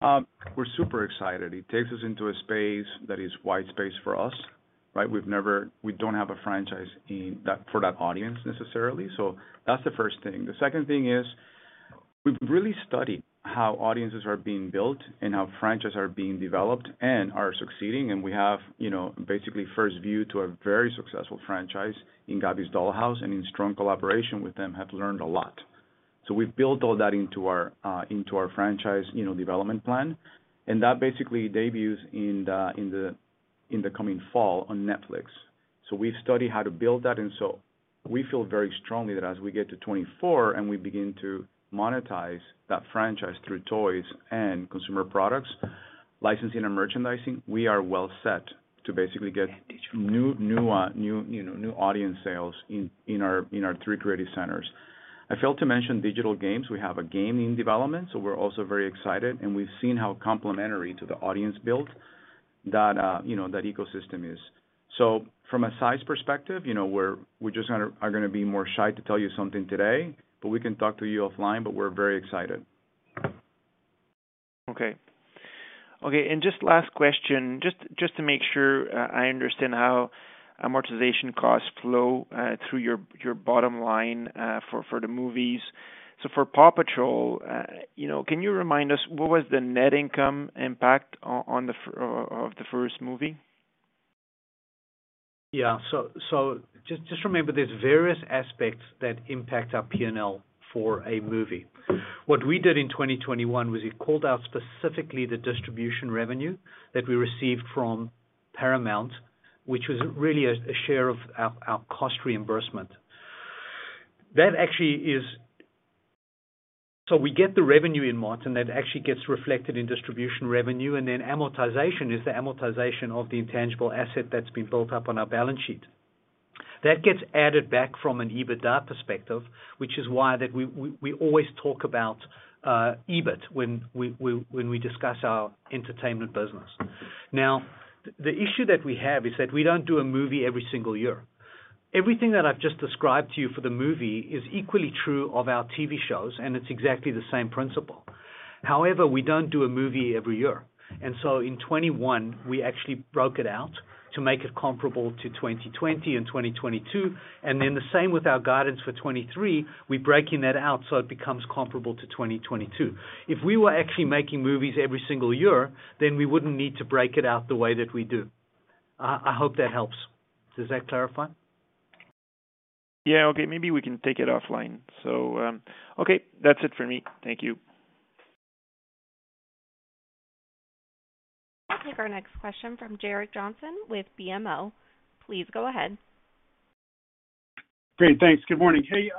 We're super excited. It takes us into a space that is wide space for us, right? We don't have a franchise for that audience necessarily. That's the first thing. The second thing is we've really studied how audiences are being built and how franchises are being developed and are succeeding. We have, you know, basically first view to a very successful franchise in Gabby's Dollhouse, and in strong collaboration with them, have learned a lot. We've built all that into our, into our franchise, you know, development plan, and that basically debuts in the, in the, in the coming fall on Netflix. We've studied how to build that. We feel very strongly that as we get to 2024 and we begin to monetize that franchise through toys and consumer products, licensing and merchandising, we are well set to basically get new, you know, new audience sales in our three creative centers. I failed to mention digital games. We have a game in development. We're also very excited, and we've seen how complementary to the audience built that, you know, that ecosystem is. From a size perspective, you know, we're just gonna be more shy to tell you something today. We can talk to you offline. We're very excited. Okay. Okay, just last question. Just to make sure, I understand how amortization costs flow through your bottom line for the movies. For PAW Patrol, you know, can you remind us what was the net income impact on the first movie? Just remember there's various aspects that impact our P&L for a movie. What we did in 2021 was we called out specifically the distribution revenue that we received from Paramount, which was really a share of our cost reimbursement. We get the revenue in, Martin, that actually gets reflected in distribution revenue. Amortization is the amortization of the intangible asset that's been built up on our balance sheet. That gets added back from an EBITDA perspective, which is why we always talk about EBIT when we discuss our entertainment business. The issue that we have is that we don't do a movie every single year. Everything that I've just described to you for the movie is equally true of our TV shows. It's exactly the same principle. However, we don't do a movie every year. In 2021, we actually broke it out to make it comparable to 2020 and 2022. The same with our guidance for 2023, we're breaking that out so it becomes comparable to 2022. If we were actually making movies every single year, then we wouldn't need to break it out the way that we do. I hope that helps. Does that clarify? Yeah. Okay. Maybe we can take it offline. Okay, that's it for me. Thank you. We'll take our next question from Gerrick Johnson with BMO. Please go ahead. Great. Thanks. Good morning. Hey,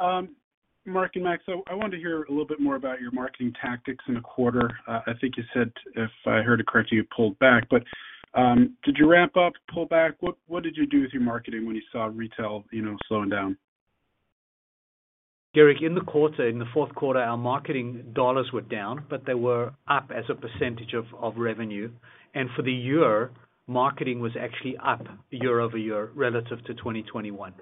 Mark and Max. I wanted to hear a little bit more about your marketing tactics in the quarter. I think you said, if I heard it correctly, you pulled back. Did you ramp up, pull back? What did you do with your marketing when you saw retail, you know, slowing down? Gerrick, in the fourth quarter, our marketing dollars were down, but they were up as a percentage of revenue. For the year, marketing was actually up year over year relative to 2021.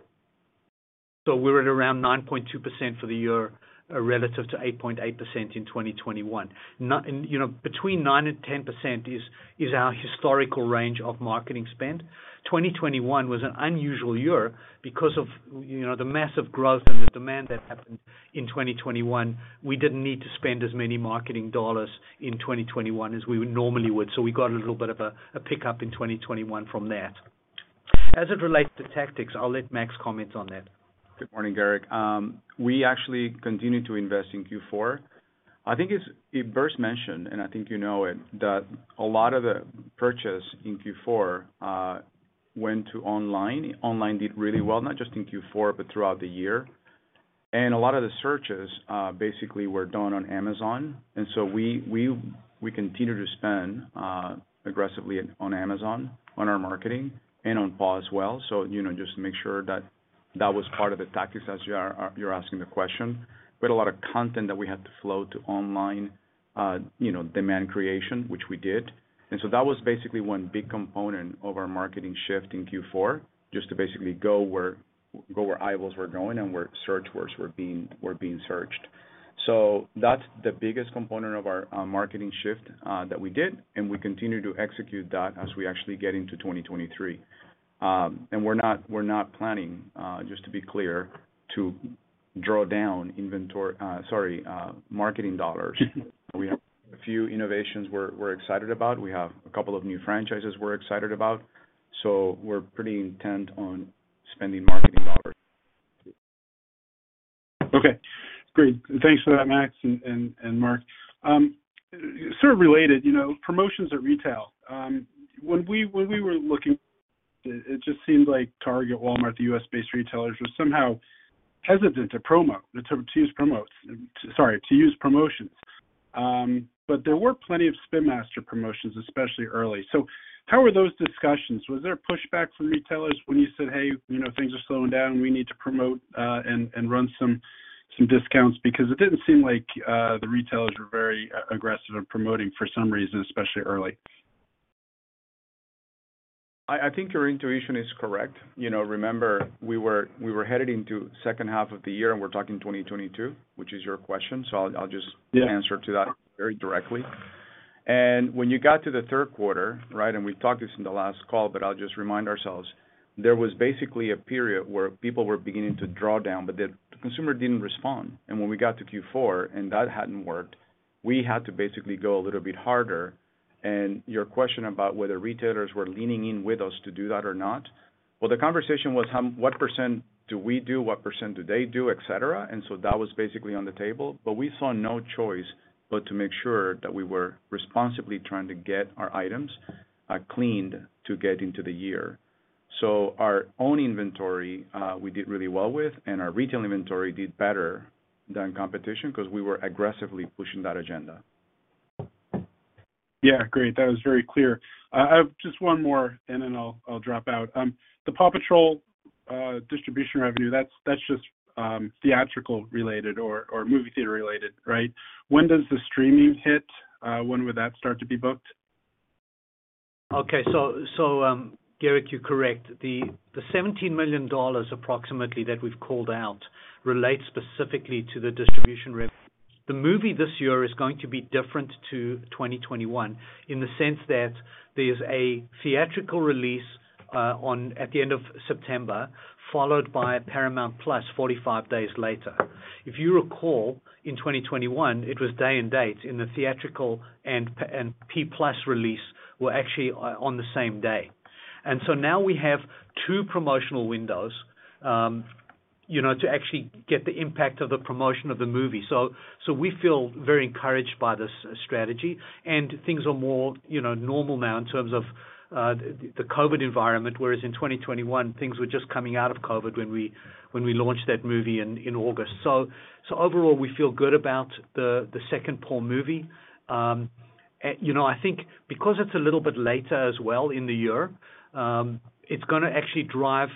We're at around 9.2% for the year, relative to 8.8% in 2021. You know, between 9% and 10% is our historical range of marketing spend. 2021 was an unusual year because of, you know, the massive growth and the demand that happened in 2021. We didn't need to spend as many marketing dollars in 2021 as we would normally would, so we got a little bit of a pickup in 2021 from that. As it relates to tactics, I'll let Max comment on that. Good morning, Gerrick. We actually continued to invest in Q4. I think it first mentioned, and I think you know it, that a lot of the purchase in Q4 went to online. Online did really well, not just in Q4, but throughout the year. A lot of the searches basically were done on Amazon. we continued to spend aggressively on Amazon, on our marketing and on PAW as well. You know, just to make sure that that was part of the tactics as you are asking the question. We had a lot of content that we had to flow to online, you know, demand creation, which we did. That was basically one big component of our marketing shift in Q4, just to basically go where eyeballs were going and where search words were being searched. That's the biggest component of our marketing shift that we did, and we continue to execute that as we actually get into 2023. We're not, we're not planning, just to be clear, to draw down inventory, sorry, marketing dollars. We have a few innovations we're excited about. We have a couple of new franchises we're excited about, so we're pretty intent on spending marketing dollars. Okay, great. Thanks for that, Max and Mark. Sort of related, you know, promotions at retail. When we, when we were looking, it just seemed like Target, Walmart, the U.S.-based retailers were somehow hesitant to use promotions. There were plenty of Spin Master promotions, especially early. How were those discussions? Was there a pushback from retailers when you said, "Hey, you know, things are slowing down, we need to promote, and run some discounts." It didn't seem like the retailers were very aggressive in promoting for some reason, especially early. I think your intuition is correct. You know, remember, we were headed into second half of the year, we're talking 2022, which is your question. I'll just- Yeah... answer to that very directly. When you got to the third quarter, right? We've talked this in the last call, but I'll just remind ourselves, there was basically a period where people were beginning to draw down, but the consumer didn't respond. When we got to Q4 and that hadn't worked, we had to basically go a little bit harder. Your question about whether retailers were leaning in with us to do that or not. Well, the conversation was what % do we do, what % do they do, etc. That was basically on the table. We saw no choice but to make sure that we were responsibly trying to get our items, cleaned to get into the year. Our own inventory, we did really well with, and our retail inventory did better than competition 'cause we were aggressively pushing that agenda. Yeah, great. That was very clear. I've just one more and then I'll drop out. The PAW Patrol distribution revenue, that's just theatrical related or movie theater related, right? When does the streaming hit? When would that start to be booked? Okay. Gerrick, you're correct. The $17 million approximately that we've called out relates specifically to the distribution rev. The movie this year is going to be different to 2021 in the sense that there's a theatrical release at the end of September, followed by Paramount+ 45 days later. If you recall, in 2021, it was day and date, and the theatrical and P+ release were actually on the same day. Now we have two promotional windows, You know, to actually get the impact of the promotion of the movie. We feel very encouraged by this strategy and things are more, you know, normal now in terms of the COVID environment, whereas in 2021, things were just coming out of COVID when we launched that movie in August. Overall, we feel good about the second PAW movie. You know, I think because it's a little bit later as well in the year, it's gonna actually drive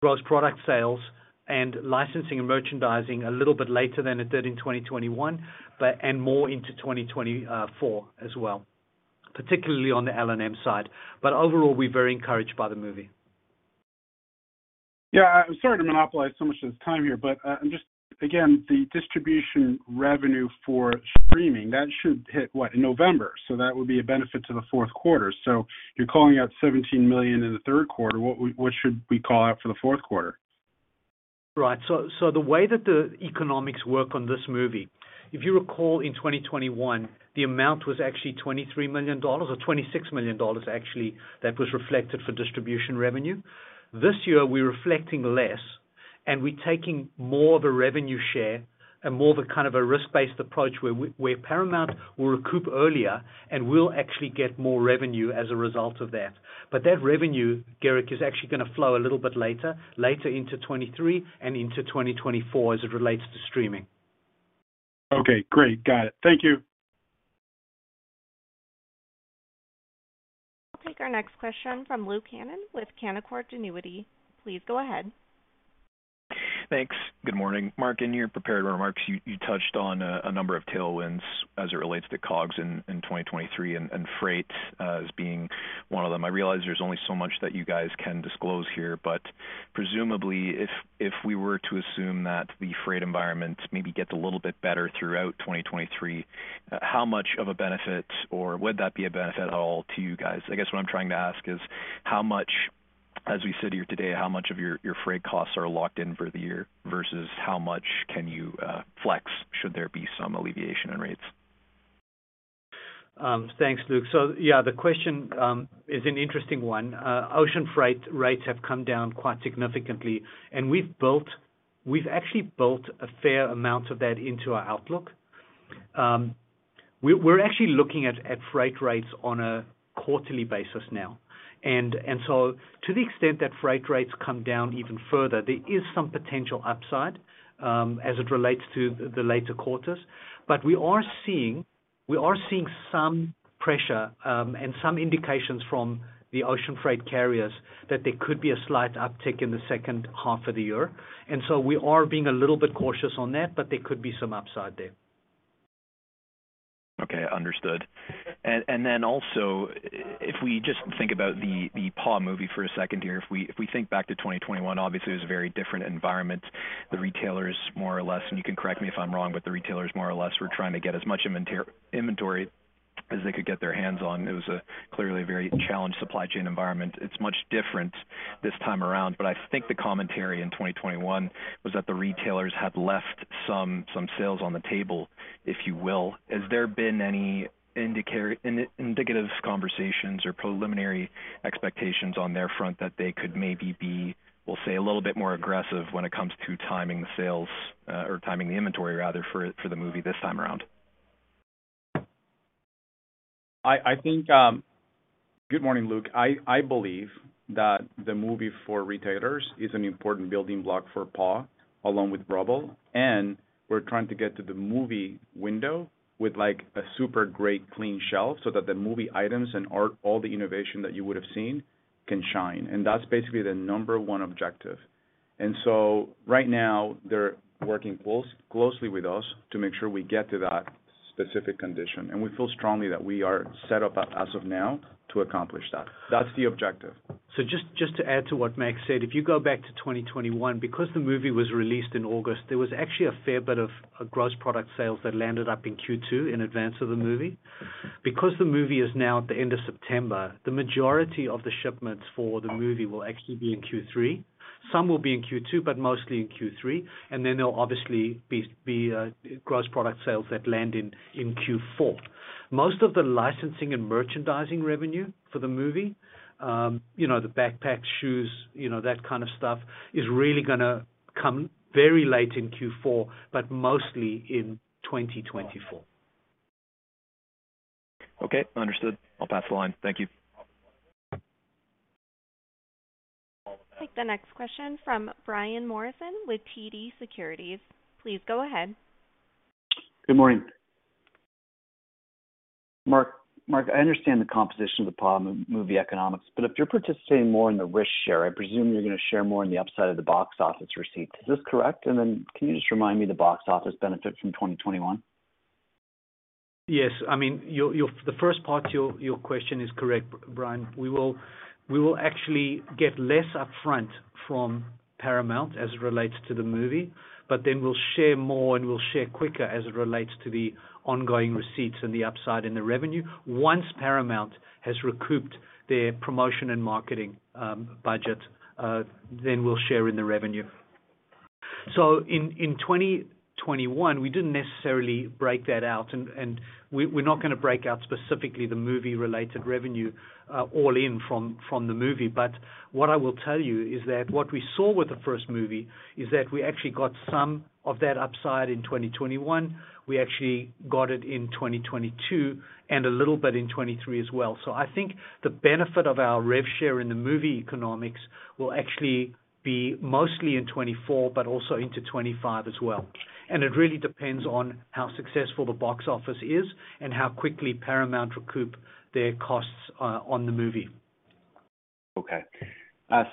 gross product sales and licensing and merchandising a little bit later than it did in 2021, but and more into 2024 as well, particularly on the LNM side. Overall, we're very encouraged by the movie. Yeah, I'm sorry to monopolize so much of this time here, but, just again, the distribution revenue for streaming, that should hit what? In November. That would be a benefit to the fourth quarter. You're calling out $17 million in the third quarter. What should we call out for the fourth quarter? Right. The way that the economics work on this movie, if you recall in 2021, the amount was actually $23 million or $26 million actually, that was reflected for distribution revenue. This year we're reflecting less, and we're taking more of a revenue share and more of a kind of a risk-based approach where Paramount will recoup earlier, and we'll actually get more revenue as a result of that. That revenue, Gerrick, is actually gonna flow a little bit later into 2023 and into 2024 as it relates to streaming. Okay, great. Got it. Thank you. We'll take our next question from Luke Hannan with Canaccord Genuity. Please go ahead. Thanks. Good morning. Mark, in your prepared remarks, you touched on a number of tailwinds as it relates to COGS in 2023 and freight as being one of them. I realize there's only so much that you guys can disclose here, but presumably if we were to assume that the freight environment maybe gets a little bit better throughout 2023, how much of a benefit or would that be a benefit at all to you guys? I guess what I'm trying to ask is how much as we sit here today, how much of your freight costs are locked in for the year versus how much can you flex should there be some alleviation in rates? Thanks, Luke. Yeah, the question is an interesting one. Ocean freight rates have come down quite significantly, and we've actually built a fair amount of that into our outlook. We're actually looking at freight rates on a quarterly basis now. To the extent that freight rates come down even further, there is some potential upside as it relates to the later quarters. We are seeing some pressure and some indications from the ocean freight carriers that there could be a slight uptick in the second half of the year. We are being a little bit cautious on that, but there could be some upside there. Okay, understood. Then also if we just think about the PAW movie for a second here, if we think back to 2021, obviously it was a very different environment. The retailers more or less, and you can correct me if I'm wrong, but the retailers more or less were trying to get as much inventory as they could get their hands on. It was a clearly a very challenged supply chain environment. It's much different this time around. I think the commentary in 2021 was that the retailers had left some sales on the table, if you will. Has there been any indicator conversations or preliminary expectations on their front that they could maybe be, we'll say, a little bit more aggressive when it comes to timing the sales, or timing the inventory rather for the movie this time around? I think, Good morning, Luke. I believe that the movie for retailers is an important building block for PAW along with Rubble. We're trying to get to the movie window with like a super great clean shelf so that the movie items and all the innovation that you would have seen can shine. That's basically the number one objective. Right now they're working closely with us to make sure we get to that specific condition. We feel strongly that we are set up as of now to accomplish that. That's the objective. Just to add to what Max said, if you go back to 2021, because the movie was released in August, there was actually a fair bit of a gross product sales that landed up in Q2 in advance of the movie. The movie is now at the end of September, the majority of the shipments for the movie will actually be in Q3. Some will be in Q2, but mostly in Q3. There'll obviously be gross product sales that land in Q4. Most of the licensing and merchandising revenue for the movie, you know, the backpacks, shoes, you know, that kind of stuff is really gonna come very late in Q4, but mostly in 2024. Okay, understood. I'll pass the line. Thank you. Take the next question from Brian Morrison with TD Securities. Please go ahead. Good morning. Mark, I understand the composition of the PAW Patrol movie economics, but if you're participating more in the risk share, I presume you're gonna share more on the upside of the box office receipt. Is this correct? Can you just remind me the box office benefit from 2021? Yes, the first part to your question is correct, Brian. We will actually get less upfront from Paramount as it relates to the movie, we'll share more and we'll share quicker as it relates to the ongoing receipts and the upside in the revenue. Once Paramount has recouped their promotion and marketing budget, we'll share in the revenue. In 2021, we didn't necessarily break that out and we're not gonna break out specifically the movie-related revenue all in from the movie. What I will tell you is that what we saw with the first movie is that we actually got some of that upside in 2021. We actually got it in 2022 and a little bit in 2023 as well. I think the benefit of our rev share in the movie economics will actually be mostly in 2024, but also into 2025 as well. It really depends on how successful the box office is and how quickly Paramount recoup their costs on the movie. Okay.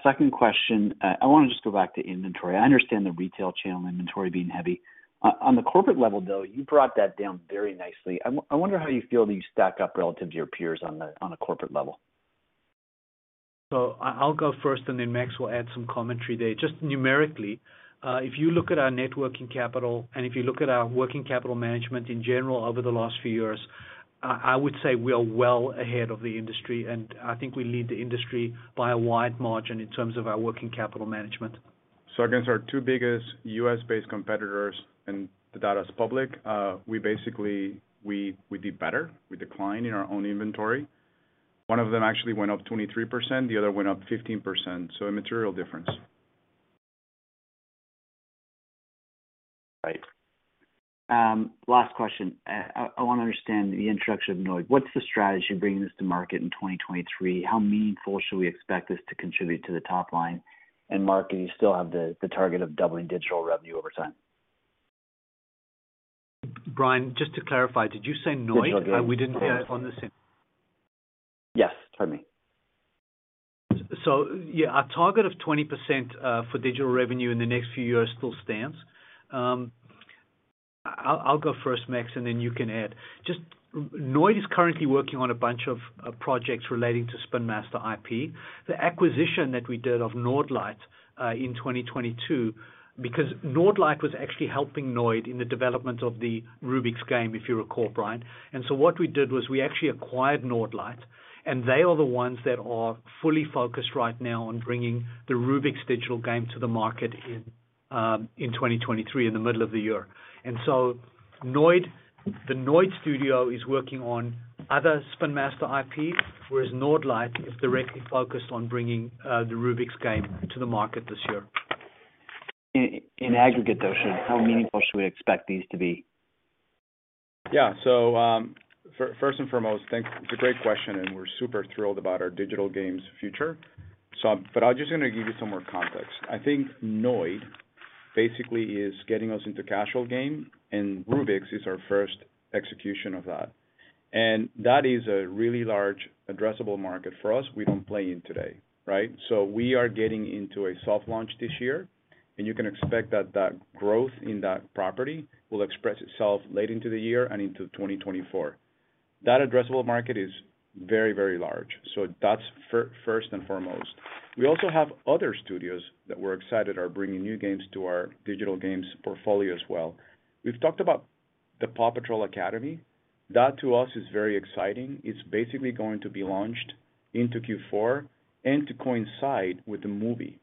second question. I wanna just go back to inventory. I understand the retail channel inventory being heavy. On the corporate level, though, you brought that down very nicely. I wonder how you feel that you stack up relative to your peers on the, on a corporate level. I'll go first, and then Max will add some commentary there. Just numerically, if you look at our networking capital and if you look at our working capital management in general over the last few years, I would say we are well ahead of the industry, and I think we lead the industry by a wide margin in terms of our working capital management. Against our two biggest US-based competitors, and the data is public, we basically we did better. We declined in our own inventory. One of them actually went up 23%, the other went up 15%. A material difference. Last question. I wanna understand the introduction of Nørdlight. What's the strategy bringing this to market in 2023? How meaningful should we expect this to contribute to the top line? Mark, do you still have the target of doubling digital revenue over time? Brian, just to clarify, did you say Noid? Digital games. We didn't hear on this end. Yes. Pardon me. Our target of 20% for digital revenue in the next few years still stands. I'll go first, Max, and then you can add. Just Nødvendig is currently working on a bunch of projects relating to Spin Master IP. The acquisition that we did of Nørdlight in 2022, because Nørdlight was actually helping Nødvendig in the development of the Rubik's game, if you recall, Brian. What we did was we actually acquired Nørdlight, and they are the ones that are fully focused right now on bringing the Rubik's digital game to the market in 2023 in the middle of the year. Noid, the Noid studio is working on other Spin Master IPs, whereas Nørdlight is directly focused on bringing the Rubik's game to the market this year. In aggregate, though, how meaningful should we expect these to be? First and foremost, thanks. It's a great question, and we're super thrilled about our digital games future. I'm just gonna give you some more context. I think Noid basically is getting us into casual game, and Rubik's is our first execution of that. That is a really large addressable market for us we don't play in today, right? We are getting into a soft launch this year, and you can expect that that growth in that property will express itself late into the year and into 2024. That addressable market is very, very large. That's first and foremost. We also have other studios that we're excited are bringing new games to our digital games portfolio as well. We've talked about the PAW Patrol Academy. That to us is very exciting. It's basically going to be launched into Q4 and to coincide with the movie.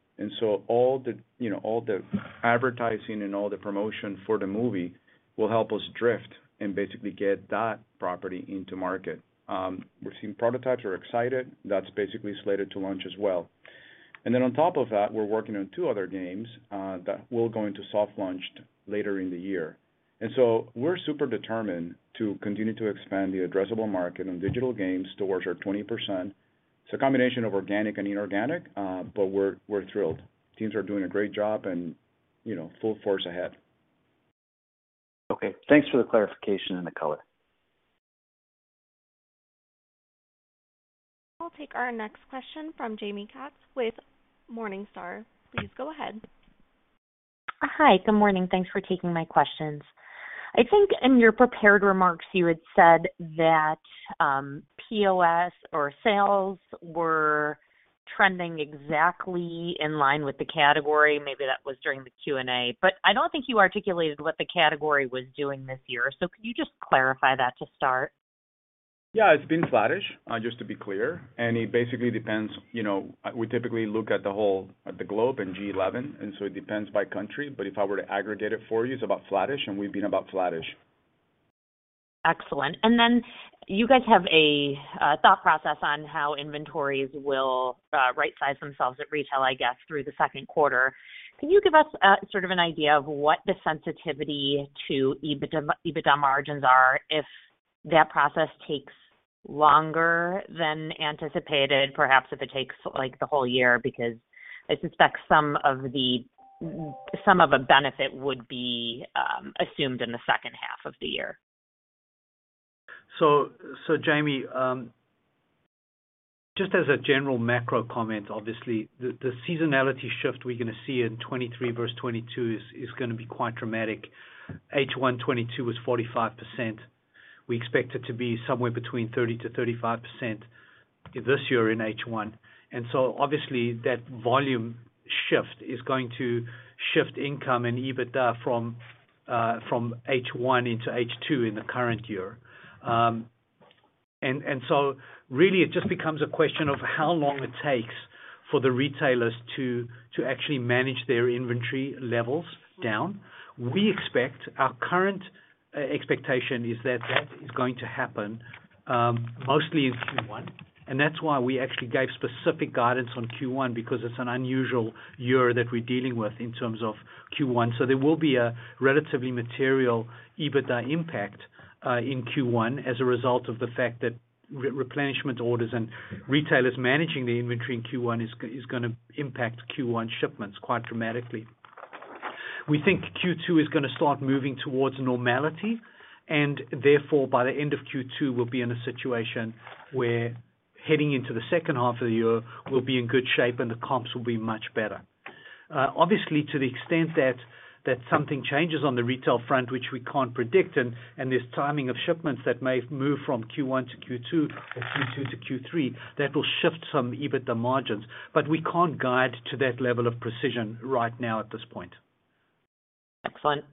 All the, you know, all the advertising and all the promotion for the movie will help us drift and basically get that property into market. We're seeing prototypes. We're excited. That's basically slated to launch as well. On top of that, we're working on two other games that will go into soft launch later in the year. We're super determined to continue to expand the addressable market on digital games towards our 20%. It's a combination of organic and inorganic, but we're thrilled. Teams are doing a great job and, you know, full force ahead. Okay. Thanks for the clarification and the color. I'll take our next question from Jaime Katz with Morningstar. Please go ahead. Hi. Good morning. Thanks for taking my questions. I think in your prepared remarks you had said that, POS or sales were trending exactly in line with the category. Maybe that was during the Q&A. I don't think you articulated what the category was doing this year. Could you just clarify that to start? Yeah. It's been flattish, just to be clear. It basically depends. You know, we typically look at the whole, at the globe in G11, and so it depends by country. If I were to aggregate it for you, it's about flattish, and we've been about flattish. Excellent. Then you guys have a thought process on how inventories will right size themselves at retail, I guess, through the second quarter. Can you give us sort of an idea of what the sensitivity to EBITDA margins are if that process takes longer than anticipated, perhaps if it takes, like, the whole year? Because I suspect some of the benefit would be assumed in the second half of the year. Jaime, just as a general macro comment, obviously the seasonality shift we're gonna see in 2023 versus 2022 is gonna be quite dramatic. H1 2022 was 45%. We expect it to be somewhere between 30%-35% this year in H1. Really it just becomes a question of how long it takes for the retailers to actually manage their inventory levels down. Our current e-expectation is that that is going to happen mostly in Q1. That's why we actually gave specific guidance on Q1 because it's an unusual year that we're dealing with in terms of Q1. There will be a relatively material EBITDA impact in Q1 as a result of the fact that re-replenishment orders and retailers managing the inventory in Q1 is gonna impact Q1 shipments quite dramatically. We think Q2 is gonna start moving towards normality, and therefore by the end of Q2, we'll be in a situation where heading into the second half of the year, we'll be in good shape and the comps will be much better. Obviously, to the extent that something changes on the retail front, which we can't predict, and there's timing of shipments that may move from Q1 to Q2 or Q2 to Q3, that will shift some EBITDA margins, but we can't guide to that level of precision right now at this point. Excellent.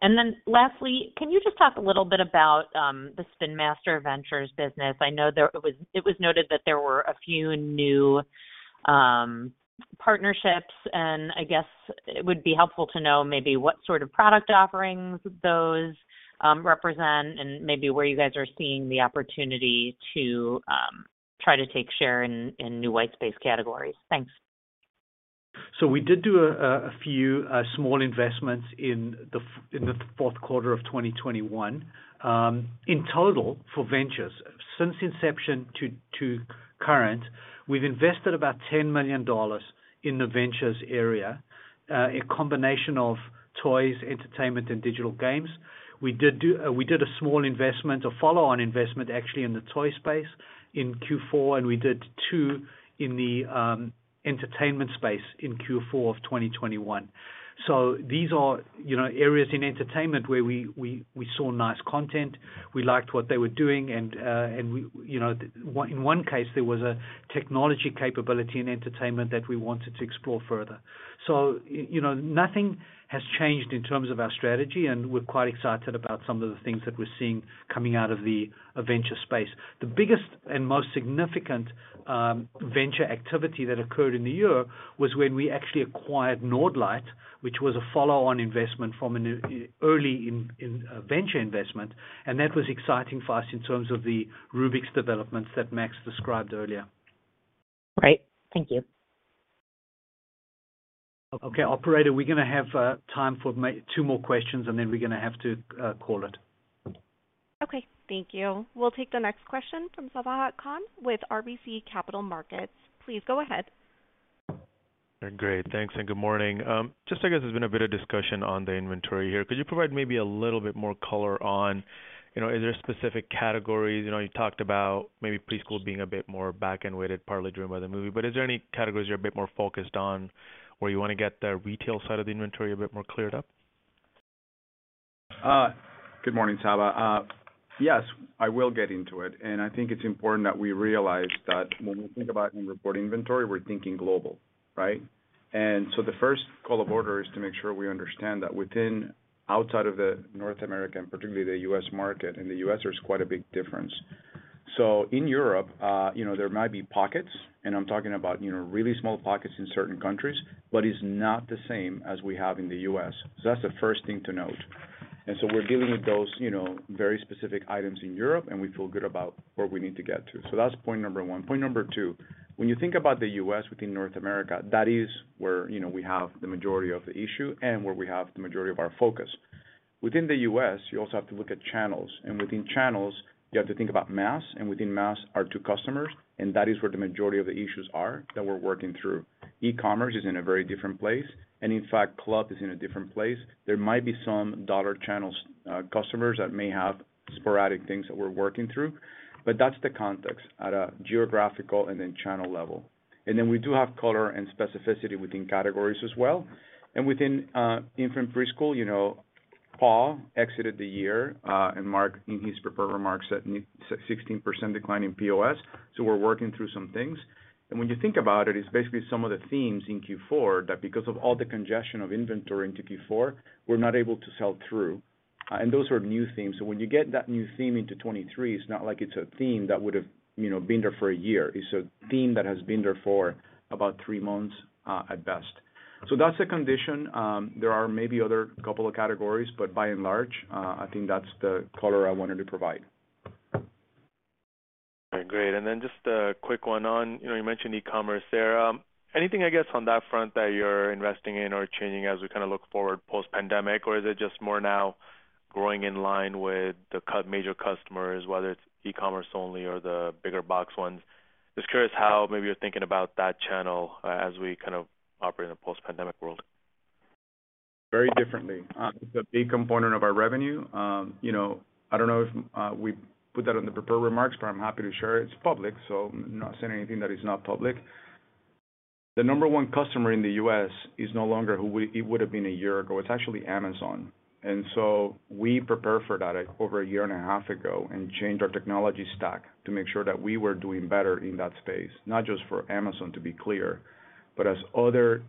Then lastly, can you just talk a little bit about the Spin Master Ventures business? I know it was noted that there were a few new partnerships, and I guess it would be helpful to know maybe what sort of product offerings those represent and maybe where you guys are seeing the opportunity to try to take share in new white space categories. Thanks. We did a few small investments in the fourth quarter of 2021. In total for ventures, since inception to current, we've invested about $10 million in the ventures area, a combination of toys, entertainment, and digital games. We did a small investment, a follow-on investment, actually, in the toy space in Q4, and we did two in the entertainment space in Q4 of 2021. These are, you know, areas in entertainment where we saw nice content, we liked what they were doing and in one case, there was a technology capability in entertainment that we wanted to explore further. You know, nothing has changed in terms of our strategy, and we're quite excited about some of the things that we're seeing coming out of the venture space. The biggest and most significant venture activity that occurred in the year was when we actually acquired Nørdlight, which was a follow-on investment from an early in venture investment, and that was exciting for us in terms of the Rubik's developments that Max described earlier. Great. Thank you. Okay. Operator, we're gonna have time for two more questions, and then we're gonna have to call it. Okay. Thank you. We'll take the next question from Sabahat Khan with RBC Capital Markets. Please go ahead. Great. Thanks. Good morning. Just I guess there's been a bit of discussion on the inventory here. Could you provide maybe a little bit more color on, you know, is there specific categories? You know, you talked about maybe preschool being a bit more back-ended weighted, partly driven by the movie. Is there any categories you're a bit more focused on, where you wanna get the retail side of the inventory a bit more cleared up? Good morning, Sabahat. Yes, I will get into it. I think it's important that we realize that when we think about and report inventory, we're thinking global, right? The first call of order is to make sure we understand that within, outside of the North America, and particularly the US market, in the US, there's quite a big difference. In Europe, you know, there might be pockets, and I'm talking about, you know, really small pockets in certain countries, but it's not the same as we have in the US. That's the first thing to note. We're dealing with those, you know, very specific items in Europe, and we feel good about where we need to get to. That's point number one. Point number two, when you think about the U.S. within North America, that is where, you know, we have the majority of the issue and where we have the majority of our focus. Within the U.S., you also have to look at channels, and within channels, you have to think about mass, and within mass are two customers, and that is where the majority of the issues are that we're working through. E-commerce is in a very different place, and in fact, club is in a different place. There might be some dollar channels, customers that may have sporadic things that we're working through, but that's the context at a geographical and then channel level. Then we do have color and specificity within categories as well. Within infant preschool, you know, PAW exited the year, and Mark Segal in his prepared remarks said 16% decline in POS, so we're working through some things. When you think about it's basically some of the themes in Q4 that because of all the congestion of inventory into Q4, we're not able to sell through. Those are new themes. When you get that new theme into 2023, it's not like it's a theme that would've, you know, been there for a year. It's a theme that has been there for about three months at best. That's the condition. There are maybe other couple of categories, but by and large, I think that's the color I wanted to provide. All right. Great. Then just a quick one on, you know, you mentioned e-commerce there. Anything, I guess, on that front that you're investing in or changing as we kind of look forward post-pandemic, or is it just more now growing in line with the major customers, whether it's e-commerce only or the bigger box ones? Just curious how maybe you're thinking about that channel as we kind of operate in a post-pandemic world. Very differently. It's a big component of our revenue. You know, I don't know if we put that on the prepared remarks, but I'm happy to share. It's public, so I'm not saying anything that is not public. The number 1 customer in the U.S. is no longer who it would have been 1 year ago. It's actually Amazon. We prepared for that over a year and a half ago and changed our technology stack to make sure that we were doing better in that space, not just for Amazon to be clear, but as other,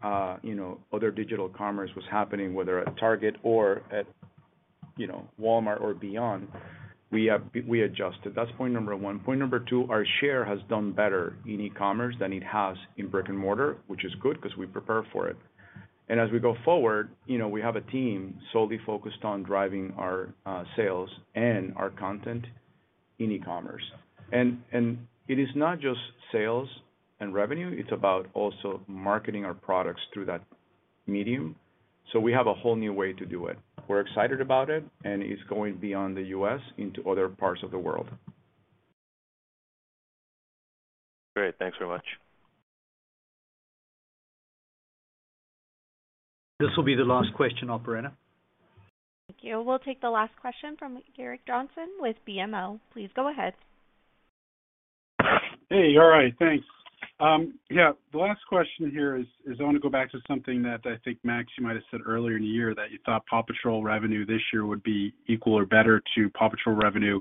you know, other digital commerce was happening, whether at Target or at You know, Walmart or beyond, we adjusted. That's point number one. Point number two, our share has done better in e-commerce than it has in brick-and-mortar, which is good 'cause we prepare for it. As we go forward, you know, we have a team solely focused on driving our sales and our content in e-commerce. It is not just sales and revenue, it's about also marketing our products through that medium. We have a whole new way to do it. We're excited about it, and it's going beyond the U.S. into other parts of the world. Great. Thanks very much. This will be the last question, operator. Thank you. We'll take the last question from Gerrick Johnson with BMO. Please go ahead. Hey, all right. Thanks. Yeah, the last question here is I wanna go back to something that I think, Max, you might have said earlier in the year, that you thought PAW Patrol revenue this year would be equal or better to PAW Patrol revenue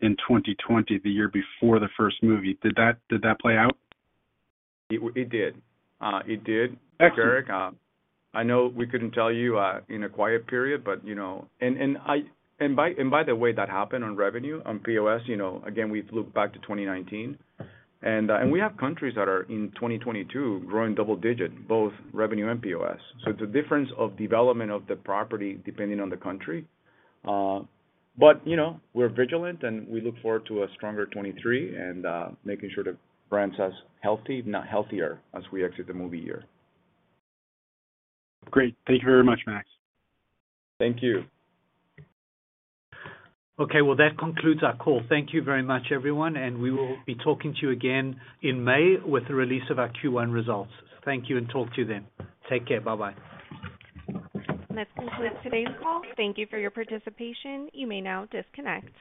in 2020, the year before the first movie. Did that play out? It did. Excellent. Gerrick. I know we couldn't tell you in a quiet period, but, you know. By the way that happened on revenue, on POS, you know, again, we've looked back to 2019. We have countries that are in 2022 growing double-digit, both revenue and POS. It's a difference of development of the property depending on the country. You know, we're vigilant, and we look forward to a stronger 2023 and making sure the brand stays healthy, if not healthier, as we exit the movie year. Great. Thank you very much, Max. Thank you. That concludes our call. Thank you very much, everyone. We will be talking to you again in May with the release of our Q1 results. Thank you. Talk to you then. Take care. Bye-bye. This concludes today's call. Thank you for your participation. You may now disconnect.